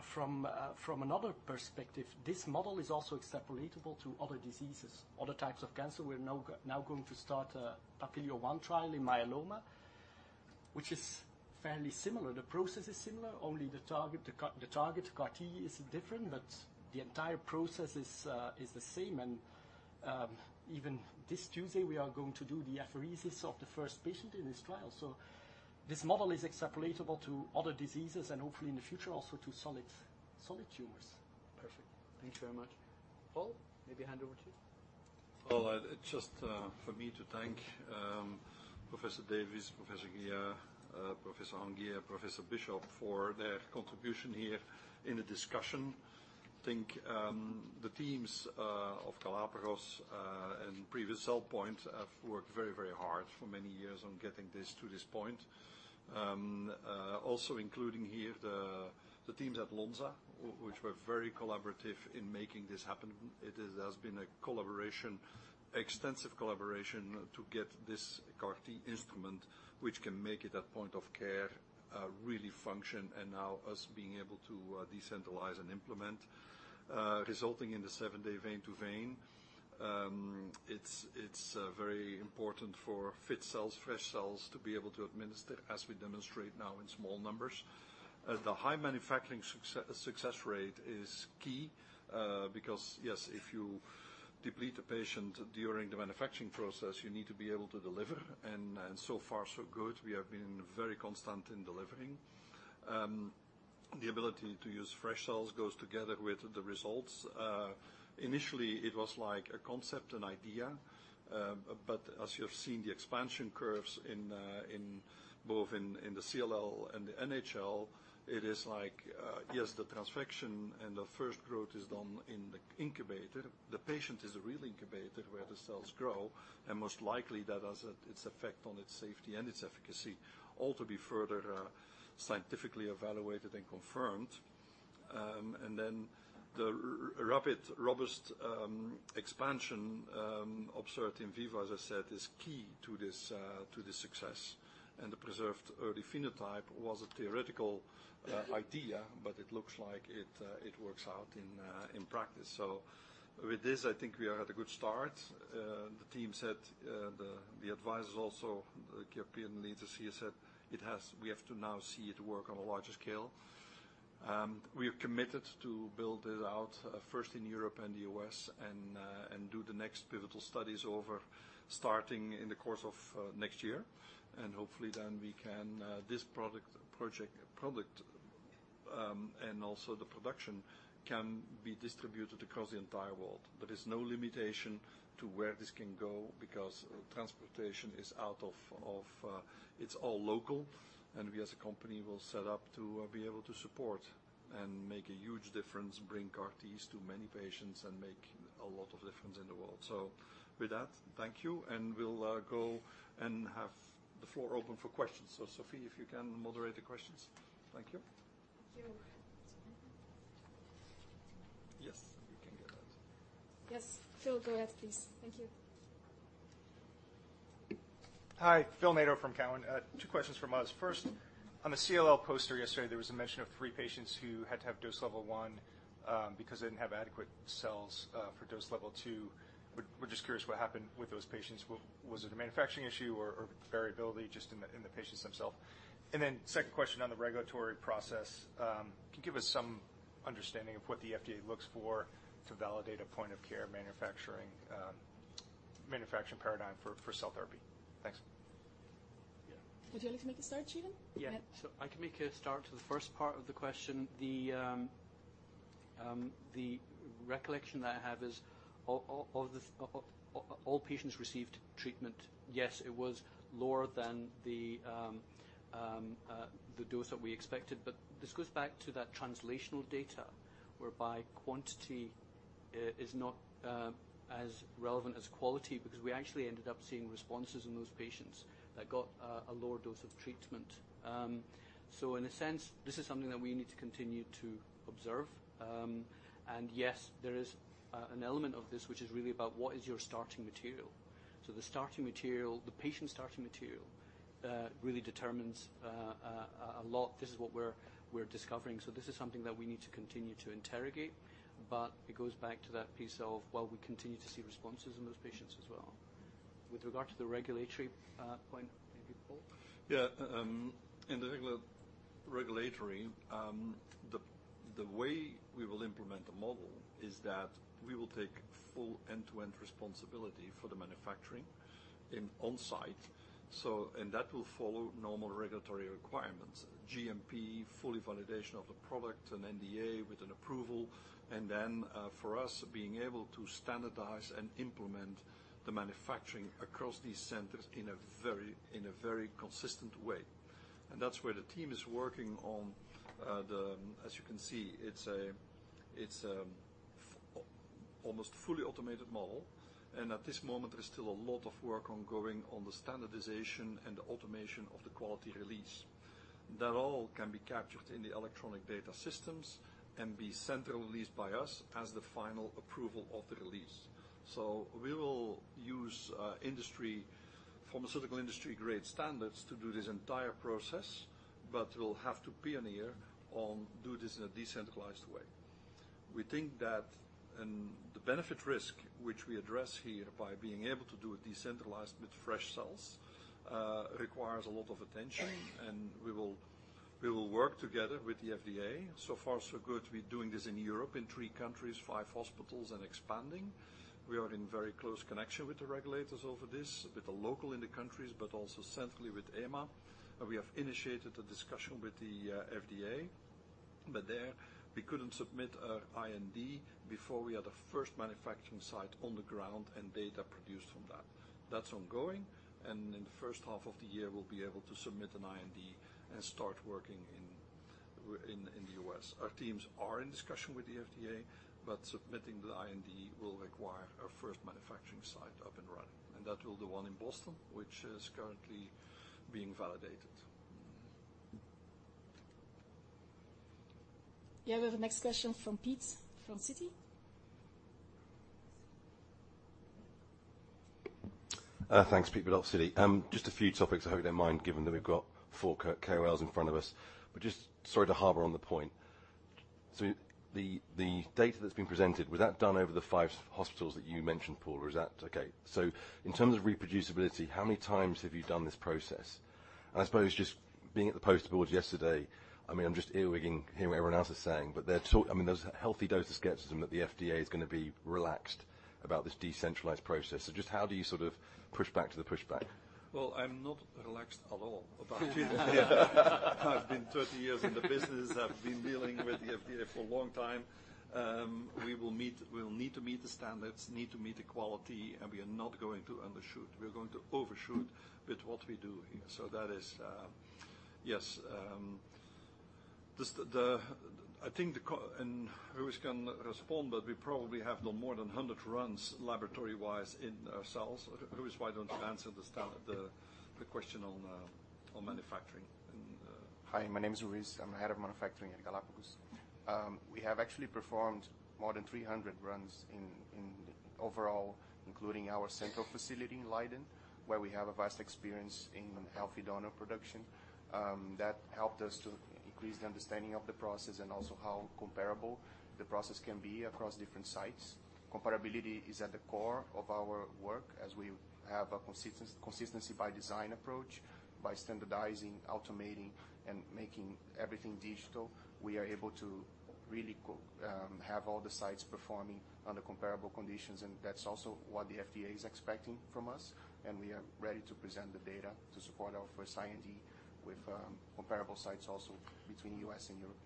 from another perspective, this model is also extrapolatable to other diseases, other types of cancer. We're now going to start a PAPILIO-1 trial in myeloma, which is fairly similar. The process is similar, only the target, the target CAR-T is different, but the entire process is the same. And even this Tuesday, we are going to do the apheresis of the first patient in this trial. This model is extrapolatable to other diseases and hopefully in the future, also to solid tumors. Perfect. Thank you very much. Paul, maybe hand over to you? Well, just for me to thank Professor Davids, Professor Ghia, Professor Anguille, Professor Bishop, for their contribution here in the discussion. I think the teams of Galapagos and previous CellPoint have worked very, very hard for many years on getting this to this point. Also including here the teams at Lonza, which were very collaborative in making this happen. It has been a collaboration, extensive collaboration to get this CAR-T instrument, which can make it at point-of-care, really function, and now us being able to decentralize and implement, resulting in the seven-day vein-to-vein. It's very important for fit cells, fresh cells to be able to administer, as we demonstrate now in small numbers. The high manufacturing success rate is key, because, yes, if you deplete a patient during the manufacturing process, you need to be able to deliver, and so far, so good. We have been very constant in delivering. The ability to use fresh cells goes together with the results. Initially, it was like a concept and idea. But as you have seen, the expansion curves in both the CLL and the NHL, it is like, yes, the transfection and the first growth is done in the incubator. The patient is a real incubator where the cells grow, and most likely that has its effect on its safety and its efficacy, all to be further scientifically evaluated and confirmed. And then the rapid, robust expansion observed in vivo, as I said, is key to this success. And the preserved early phenotype was a theoretical idea, but it looks like it works out in practice. So with this, I think we are at a good start. The team said, the advisors also, the European leaders here, said it has we have to now see it work on a larger scale. We are committed to build this out, first in Europe and the U.S., and do the next pivotal studies over starting in the course of next year. And hopefully, then we can, this product, project, product, and also the production can be distributed across the entire world. There is no limitation to where this can go because transportation is out of. It's all local, and we as a company will set up to be able to support and make a huge difference, bring CAR-Ts to many patients and make a lot of difference in the world. So with that, thank you, and we'll go and have the floor open for questions. So Sofie, if you can moderate the questions. Thank you. Thank you. Yes, you can get that. Yes. Phil, go ahead, please. Thank you. Hi, Phil Nadeau from Cowen. Two questions from us. First, on the CLL poster yesterday, there was a mention of three patients who had to have dose level one because they didn't have adequate cells for dose level two. We're just curious what happened with those patients. Was it a manufacturing issue or variability just in the patients themselves? And then second question on the regulatory process. Can you give us some understanding of what the FDA looks for to validate a point-of-care manufacturing paradigm for cell therapy? Thanks. Yeah. Would you like to make a start, Jeevan? Yeah. Yeah. I can make a start to the first part of the question. The recollection that I have is all the patients received treatment. Yes, it was lower than the dose that we expected, but this goes back to that translational data, whereby quantity is not as relevant as quality, because we actually ended up seeing responses in those patients that got a lower dose of treatment. So in a sense, this is something that we need to continue to observe. And yes, there is an element of this, which is really about what is your starting material? So the starting material, the patient's starting material really determines a lot. This is what we're discovering. So this is something that we need to continue to interrogate, but it goes back to that piece of, well, we continue to see responses in those patients as well. With regard to the regulatory point, maybe Paul? Yeah, in the regulatory, the way we will implement the model is that we will take full end-to-end responsibility for the manufacturing onsite. So, and that will follow normal regulatory requirements, GMP, full validation of the product, an NDA with an approval, and then, for us, being able to standardize and implement the manufacturing across these centers in a very, in a very consistent way. And that's where the team is working on, the. As you can see, it's almost fully automated model, and at this moment, there is still a lot of work ongoing on the standardization and the automation of the quality release. That all can be captured in the electronic data systems and be central released by us as the final approval of the release. So we will use industry, pharmaceutical industry-grade standards to do this entire process, but we'll have to pioneer on do this in a decentralized way. We think that, and the benefit risk, which we address here by being able to do it decentralized with fresh cells, requires a lot of attention, and we will work together with the FDA. So far, so good. We're doing this in Europe, in three countries, five hospitals, and expanding. We are in very close connection with the regulators over this, with the local in the countries, but also centrally with EMA. We have initiated a discussion with the FDA, but there, we couldn't submit our IND before we had a first manufacturing site on the ground and data produced from that. That's ongoing, and in the first half of the year, we'll be able to submit an IND and start working in the U.S. Our teams are in discussion with the FDA, but submitting the IND will require our first manufacturing site up and running, and that will the one in Boston, which is currently being validated. Yeah, we have the next question from Pete, from Citi. Thanks, Pete with Citi. Just a few topics to hold in mind, given that we've got four KOLs in front of us. But just sorry to harp on the point. So the data that's been presented, was that done over the five hospitals that you mentioned, Paul, or is that. Okay. So in terms of reproducibility, how many times have you done this process? And I suppose just being at the poster board yesterday, I mean, I'm just earwigging, hearing what everyone else is saying, but I mean, there's a healthy dose of skepticism that the FDA is gonna be relaxed about this decentralized process. So just how do you sort of push back to the pushback? Well, I'm not relaxed at all about it. I've been 30 years in the business. I've been dealing with the FDA for a long time. We will meet. We'll need to meet the standards, need to meet the quality, and we are not going to undershoot. We are going to overshoot with what we do here. So that is, yes, just the, I think, and Luis can respond, but we probably have done more than 100 runs, laboratory-wise, in our cells. Luis, why don't you answer the standard, the question on manufacturing and- Hi, my name is Luis. I'm the head of manufacturing at Galapagos. We have actually performed more than 300 runs in overall, including our central facility in Leiden, where we have a vast experience in healthy donor production. That helped us to increase the understanding of the process and also how comparable the process can be across different sites. Comparability is at the core of our work, as we have a consistency by design approach, by standardizing, automating, and making everything digital. We are able to really have all the sites performing under comparable conditions, and that's also what the FDA is expecting from us, and we are ready to present the data to support our first IND with comparable sites also between U.S. and Europe.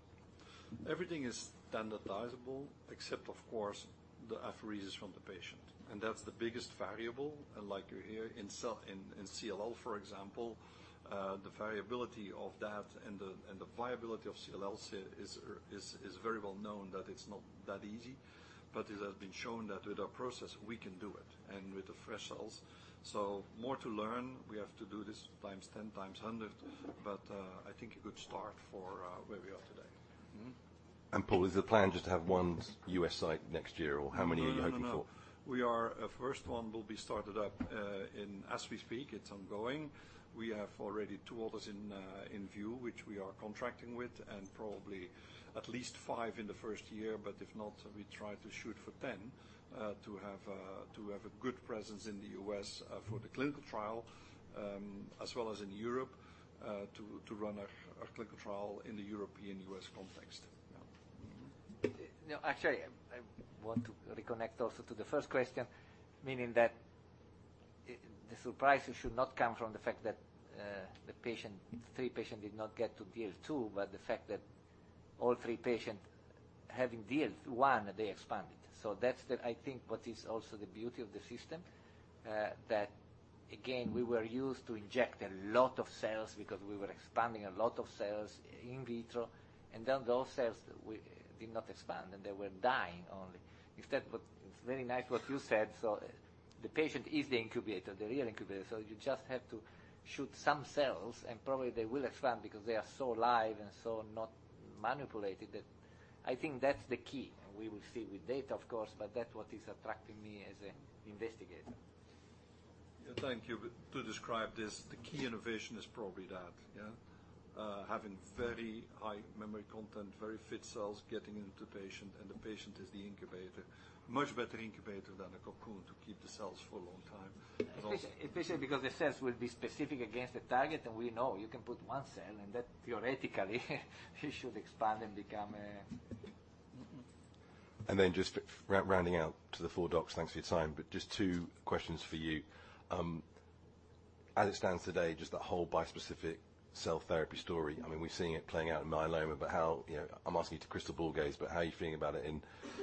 Everything is standardizable, except, of course, the apheresis from the patient, and that's the biggest variable. And like you hear in CLL, for example, the variability of that and the viability of CLL is very well known that it's not that easy, but it has been shown that with our process, we can do it and with the fresh cells. So more to learn. We have to do this times 10, times 100, but I think a good start for where we are today. Mm-hmm. Paul, is the plan just to have one U.S. site next year, or how many are you hoping for? No, no, no. First one will be started up as we speak; it's ongoing. We have already two others in view, which we are contracting with, and probably at least five in the first year, but if not, we try to shoot for 10, to have a good presence in the U.S. for the clinical trial, as well as in Europe, to run a clinical trial in the European/U.S. context. Yeah. Now, actually, I want to reconnect also to the first question, meaning that the surprises should not come from the fact that the three patients did not get to DL2, but the fact that all three patients having DL1, they expanded. So that's the... I think, what is also the beauty of the system, that again, we were used to inject a lot of cells because we were expanding a lot of cells in vitro, and then those cells we did not expand, and they were dying only. Instead, but it's very nice what you said, so the patient is the incubator, the real incubator, so you just have to shoot some cells, and probably they will expand because they are so alive and so not manipulated that I think that's the key, and we will see with data, of course, but that's what is attracting me as an investigator. Thank you. But to describe this, the key innovation is probably that, yeah? Having very high memory content, very fit cells, getting into the patient, and the patient is the incubator. Much better incubator than a Cocoon to keep the cells for a long time. And also. Especially, especially because the cells will be specific against the target, and we know you can put one cell, and that theoretically, it should expand and become a. And then just rounding out to the four docs, thanks for your time, but just two questions for you. As it stands today, just that whole bispecific cell therapy story, I mean, we're seeing it playing out in myeloma, but how. You know, I'm asking you to crystal ball gaze, but how are you feeling about it in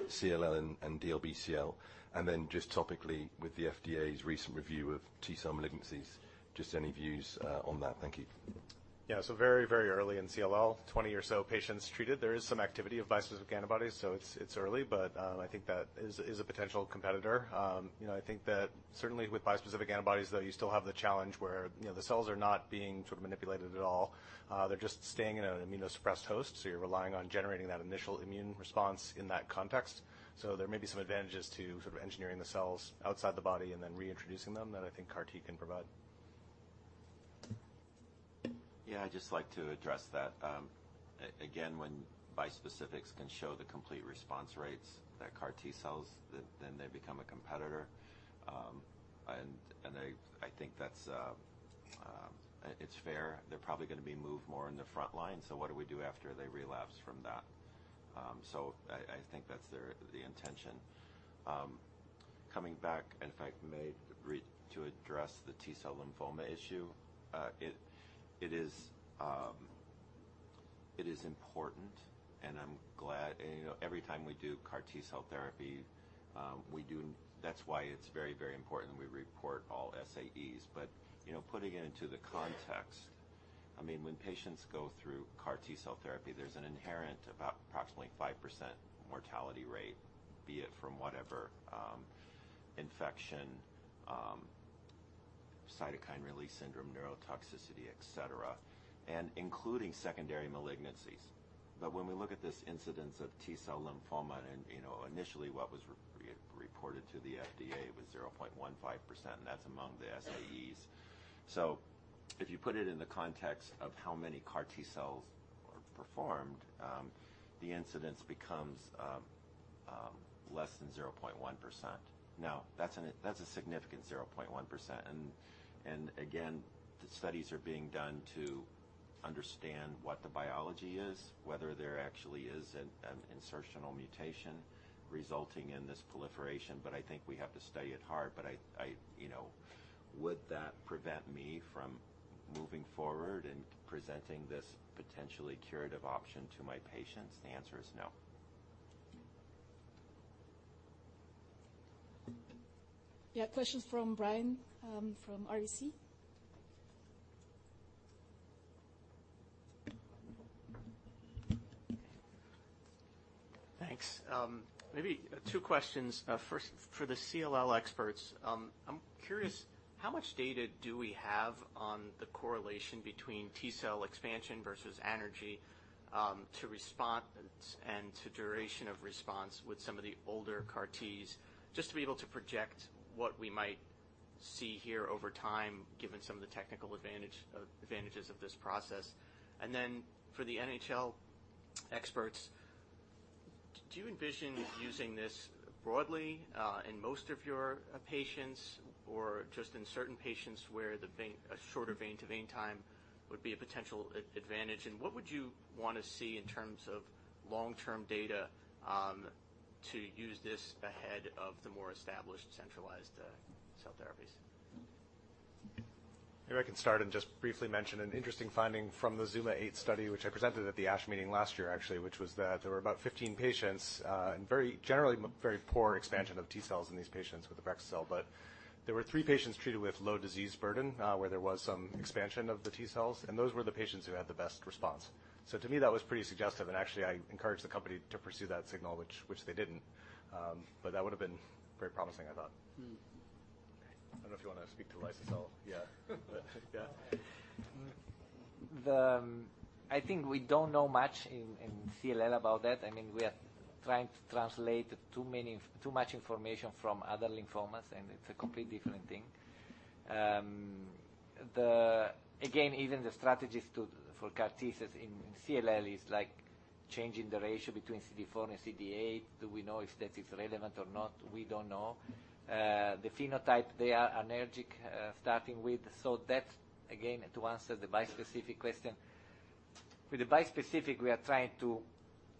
CLL and, and DLBCL? And then just topically, with the FDA's recent review of T-cell malignancies, just any views, on that? Thank you. Yeah. So very, very early in CLL, 20 or so patients treated. There is some activity of bispecific antibodies, so it's early, but I think that is a potential competitor. You know, I think that certainly with bispecific antibodies, though, you still have the challenge where, you know, the cells are not being sort of manipulated at all. They're just staying in an immunosuppressed host, so you're relying on generating that initial immune response in that context. So there may be some advantages to sort of engineering the cells outside the body and then reintroducing them that I think CAR T can provide. Yeah, I'd just like to address that. Again, when bispecifics can show the complete response rates that CAR-T cells, then they become a competitor. And I think that's fair. They're probably gonna be moved more in the front line, so what do we do after they relapse from that? So I think that's their intention. Coming back, and if I may, to address the T-cell lymphoma issue, it is important, and I'm glad. You know, every time we do CAR-T cell therapy, we do. That's why it's very, very important we report all SAEs. But, you know, putting it into the context, I mean, when patients go through CAR T-cell therapy, there's an inherent about approximately 5% mortality rate, be it from whatever, infection, cytokine release syndrome, neurotoxicity, et cetera, and including secondary malignancies. But when we look at this incidence of T-cell lymphoma, and, you know, initially what was reported to the FDA was 0.15%, and that's among the SAEs. So if you put it in the context of how many CAR T cells are performed, the incidence becomes, less than 0.1%. Now, that's a significant 0.1%, and again, the studies are being done to understand what the biology is, whether there actually is an insertional mutation resulting in this proliferation. But I think we have to study it hard. You know, would that prevent me from moving forward and presenting this potentially curative option to my patients? The answer is no. Yeah, questions from Brian, from RBC. Thanks. Maybe two questions. First, for the CLL experts, I'm curious, how much data do we have on the correlation between T-cell expansion versus anergy, to response and to duration of response with some of the older CAR Ts, just to be able to project what we might see here over time, given some of the technical advantage, advantages of this process? And then for the NHL experts, do you envision using this broadly, in most of your patients, or just in certain patients where a shorter vein to vein time would be a potential advantage? And what would you want to see in terms of long-term data, to use this ahead of the more established centralized cell therapies? Maybe I can start and just briefly mention an interesting finding from the ZUMA-8 study, which I presented at the ASH meeting last year, actually, which was that there were about 15 patients, and very generally, very poor expansion of T cells in these patients with axicabtagene ciloleucel. But there were three patients treated with low disease burden, where there was some expansion of the T cells, and those were the patients who had the best response. So to me, that was pretty suggestive, and actually, I encouraged the company to pursue that signal, which, which they didn't. But that would have been very promising, I thought. Mm. I don't know if you want to speak to liso-cel. Yeah. Yeah. I think we don't know much in CLL about that. I mean, we are trying to translate too many, too much information from other lymphomas, and it's a completely different thing. Again, even the strategies to, for CAR Ts in CLL is like changing the ratio between CD4 and CD8. Do we know if that is relevant or not? We don't know. The phenotype, they are anergic, starting with. So that, again, to answer the bispecific question, with the bispecific, we are trying to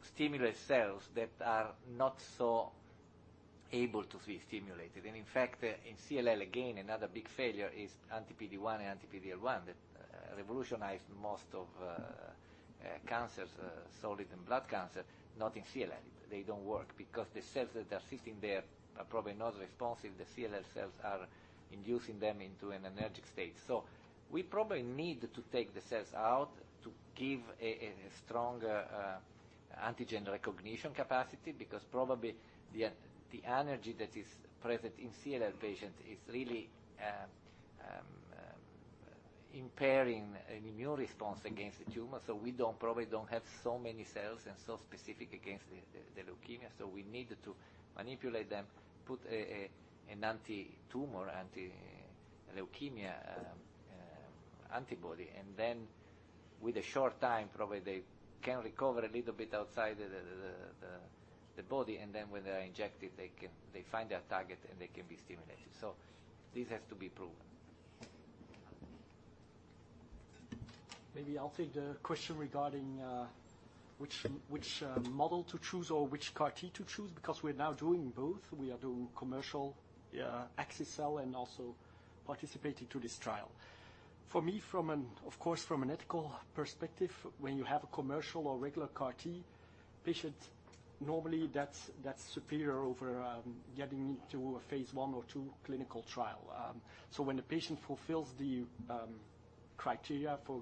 stimulate cells that are not so able to be stimulated. And in fact, in CLL, again, another big failure is anti-PD-1 and anti-PD-L1 that revolutionized most of cancers, solid and blood cancer, not in CLL. They don't work because the cells that are sitting there are probably not responsive. The CLL cells are inducing them into an anergic state. So we probably need to take the cells out to give a stronger antigen recognition capacity, because probably the anergy that is present in CLL patients is really impairing an immune response against the tumor. So we don't probably don't have so many cells and so specific against the leukemia, so we need to manipulate them, put an anti-tumor, anti-leukemia antibody. And then with a short time, probably they can recover a little bit outside the body, and then when they're injected, they can. They find their target, and they can be stimulated. So this has to be proven. Maybe I'll take the question regarding which model to choose or which CAR-T to choose, because we're now doing both. We are doing commercial axicell and also participating to this trial. For me, of course, from an ethical perspective, when you have a commercial or regular CAR-T patient, normally that's superior over getting to a phase I or II clinical trial. So when the patient fulfills the criteria for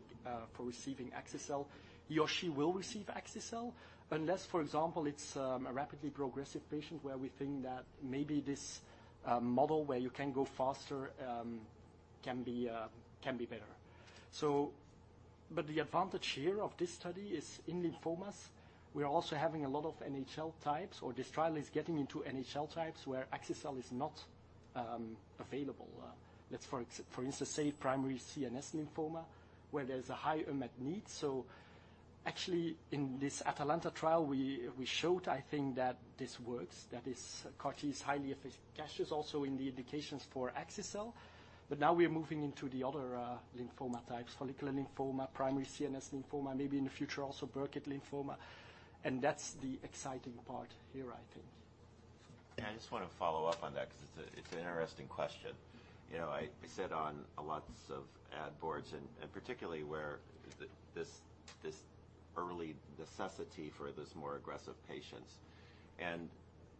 receiving axicell, he or she will receive axi-cell. Unless, for example, it's a rapidly progressive patient, where we think that maybe this model where you can go faster can be better. But the advantage here of this study is in lymphomas, we are also having a lot of NHL types, or this trial is getting into NHL types where axicell is not available. Let's for instance say primary CNS lymphoma, where there's a high unmet need. So actually, in thisATALANTA trial, we showed, I think, that this works. That is, CAR-T is highly effective, Galapagos also in the indications for axicell, but now we are moving into the other lymphoma types, follicular lymphoma, primary CNS lymphoma, maybe in the future also Burkitt lymphoma, and that's the exciting part here, I think. Yeah, I just want to follow up on that because it's an interesting question. You know, I sit on a lot of ad boards and particularly where this early necessity for those more aggressive patients. And,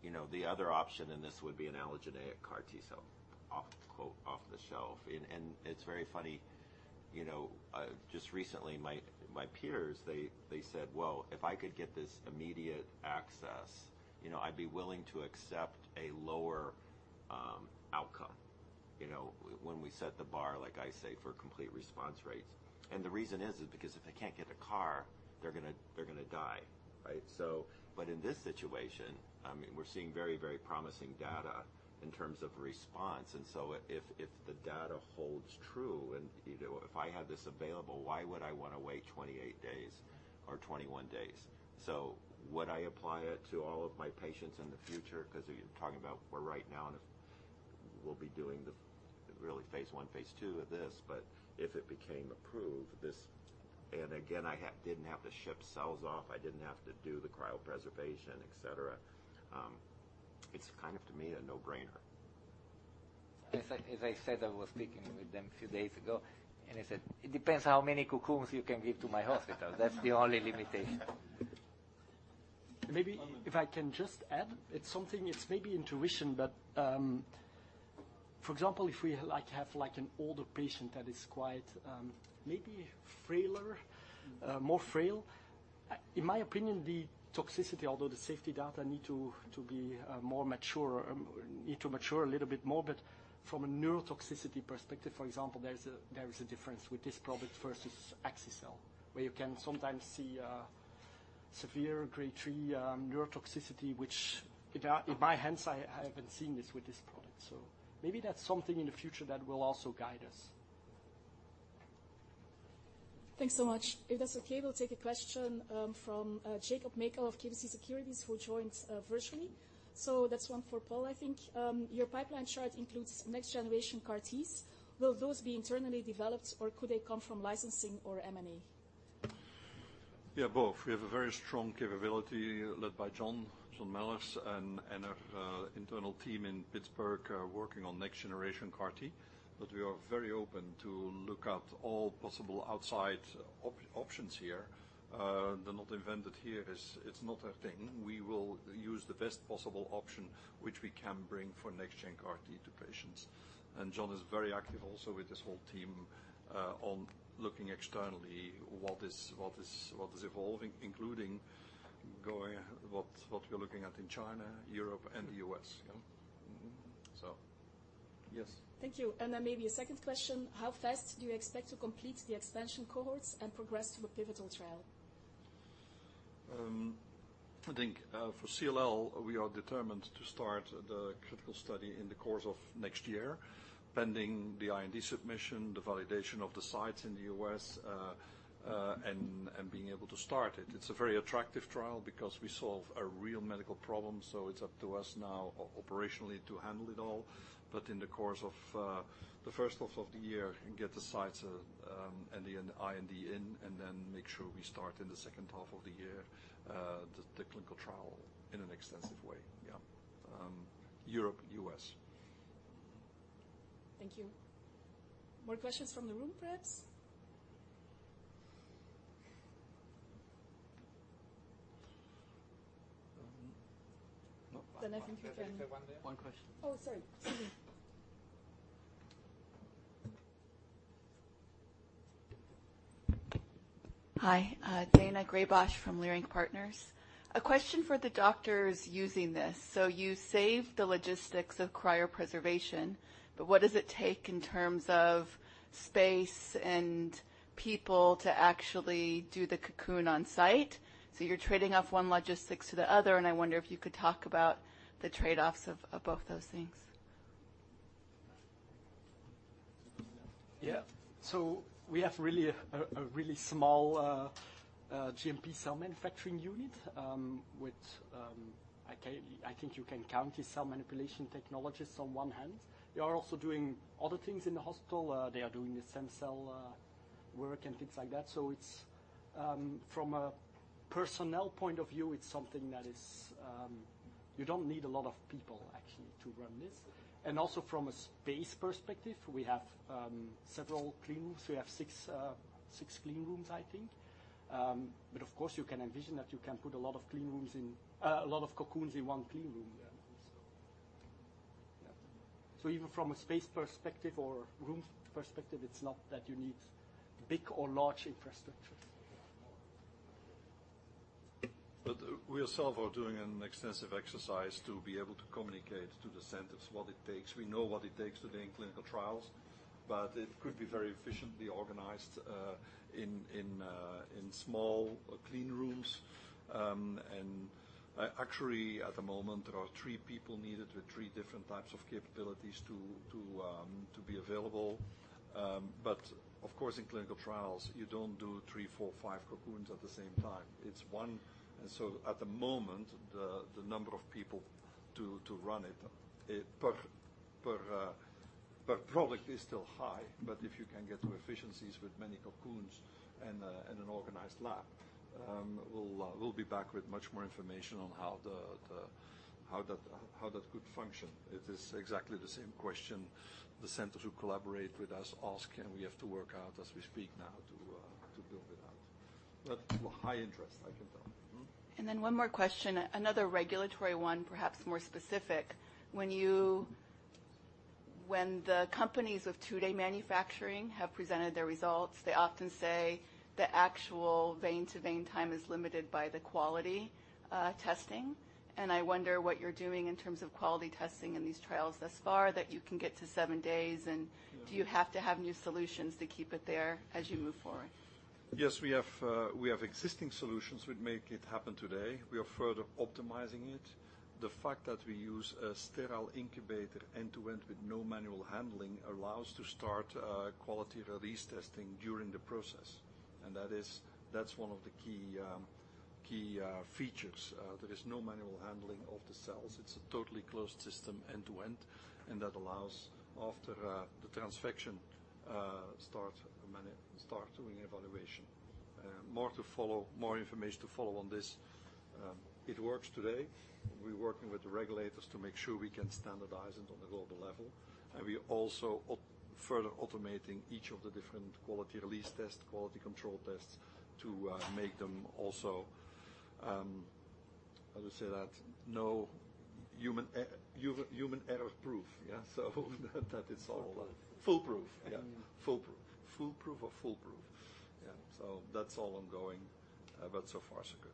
you know, the other option in this would be an allogeneic CAR T cell, off quote, "off the shelf." And it's very funny, you know, just recently, my peers, they said: "Well, if I could get this immediate access, you know, I'd be willing to accept a lower outcome." You know, when we set the bar, like I say, for complete response rates. And the reason is because if they can't get a CAR, they're gonna die, right? So but in this situation, I mean, we're seeing very, very promising data in terms of response. And so if the data holds true, and you know, if I had this available, why would I want to wait 28 days or 21 days? So would I apply it to all of my patients in the future? 'Cause you're talking about where right now, and if we'll be doing the really phase I, phase II of this, but if it became approved, this... And again, I had, didn't have to ship cells off. I didn't have to do the cryopreservation, etc. It's kind of, to me, a no-brainer. As I, as I said, I was speaking with them a few days ago, and I said, "It depends how many Cocoons you can give to my hospital. That's the only limitation. Maybe if I can just add, it's something, it's maybe intuition, but, for example, if we like, have like, an older patient that is quite, maybe frailer, more frail, in my opinion, the toxicity although the safety data need to be more mature, need to mature a little bit more. But from a neurotoxicity perspective, for example, there is a difference with this product versus axi-cel, where you can sometimes see severe grade 3 neurotoxicity, which in my hands, I haven't seen this with this product. So maybe that's something in the future that will also guide us. Thanks so much. If that's okay, we'll take a question from Jacob Mekhael of KBC Securities, who joins virtually. So that's one for Paul, I think. "Your pipeline chart includes next-generation CAR-Ts. Will those be internally developed, or could they come from licensing or M&A? Yeah, both. We have a very strong capability led by John Malis and our internal team in Pittsburgh are working on next generation CAR T. But we are very open to look at all possible outside options here. They're not invented here; it's not a thing. We will use the best possible option which we can bring for next gen CAR T to patients. And John is very active also with this whole team on looking externally what is evolving, including what we're looking at in China, Europe, and the U.S. Yeah. Mm-hmm. So, yes. Thank you. And then maybe a second question: "How fast do you expect to complete the expansion cohorts and progress to a pivotal trial? I think, for CLL, we are determined to start the critical study in the course of next year, pending the IND submission, the validation of the sites in the U.S., and being able to start it. It's a very attractive trial because we solve a real medical problem, so it's up to us now operationally to handle it all. But in the course of the first half of the year and get the sites, and the IND in, and then make sure we start in the second half of the year, the clinical trial in an extensive way. Europe and U.S. Thank you. More questions from the room, perhaps? Then I think we can. One there? One question. Oh, sorry. Excuse me. Hi, Daina Graybosch from Leerink Partners. A question for the doctors using this: So you saved the logistics of cryopreservation, but what does it take in terms of space and people to actually do the Cocoon on site? So you're trading off one logistics to the other, and I wonder if you could talk about the trade-offs of both those things. Yeah. So we have really a really small GMP cell manufacturing unit, which I think you can count the cell manipulation technologists on one hand. They are also doing other things in the hospital. They are doing the stem cell work and things like that. So it's from a personnel point of view, it's something that is. You don't need a lot of people actually to run this. And also from a space perspective, we have several clean rooms. We have six clean rooms, I think. But of course, you can envision that you can put a lot of clean rooms in a lot of Cocoons in one clean room. Yeah, also. Yeah. So even from a space perspective or room perspective, it's not that you need big or large infrastructure. But we ourselves are doing an extensive exercise to be able to communicate to the centers what it takes. We know what it takes today in clinical trials, but it could be very efficiently organized in small clean rooms. Actually, at the moment, there are three people needed with three different types of capabilities to be available. But of course, in clinical trials, you don't do three, four, five cocoons at the same time. It's one, and so at the moment, the number of people to run it per product is still high. But if you can get to efficiencies with many cocoons and an organized lab, we'll be back with much more information on how that could function. It is exactly the same question the centers who collaborate with us ask, and we have to work out as we speak now to, to build it out. But high interest, I can tell. Mm-hmm. Then one more question, another regulatory one, perhaps more specific. When you. When the companies of two-day manufacturing have presented their results, they often say the actual vein to vein time is limited by the quality, testing. And I wonder what you're doing in terms of quality testing in these trials thus far, that you can get to seven days, and do you have to have new solutions to keep it there as you move forward? Yes, we have existing solutions which make it happen today. We are further optimizing it. The fact that we use a sterile incubator end-to-end with no manual handling allows to start quality release testing during the process, and that is. That's one of the key features. There is no manual handling of the cells. It's a totally closed system end to end, and that allows, after the transfection, start doing evaluation. More to follow, more information to follow on this. It works today. We're working with the regulators to make sure we can standardize it on a global level, and we also further automating each of the different quality release tests, quality control tests, to make them also, how you say that? No human error proof, yeah. That is all. Foolproof. Foolproof, yeah. Mm-hmm. Foolproof. Foolproof of full proof. Yeah. So that's all ongoing, but so far, so good.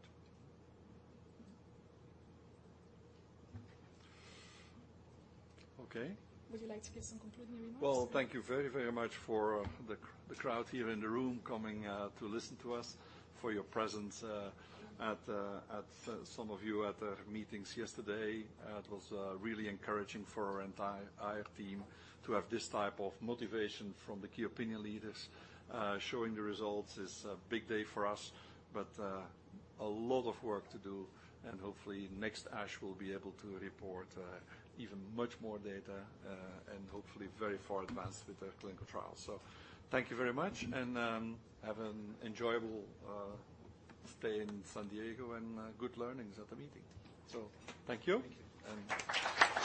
Okay. Would you like to give some concluding remarks? Well, thank you very, very much for the crowd here in the room coming to listen to us, for your presence at some of you at the meetings yesterday. It was really encouraging for our entire IR team to have this type of motivation from the key opinion leaders. Showing the results is a big day for us, but a lot of work to do, and hopefully, next ASH, we'll be able to report even much more data, and hopefully very far advanced with the clinical trial. So thank you very much, and have an enjoyable stay in San Diego and good learnings at the meeting. So thank you. Thank you. And-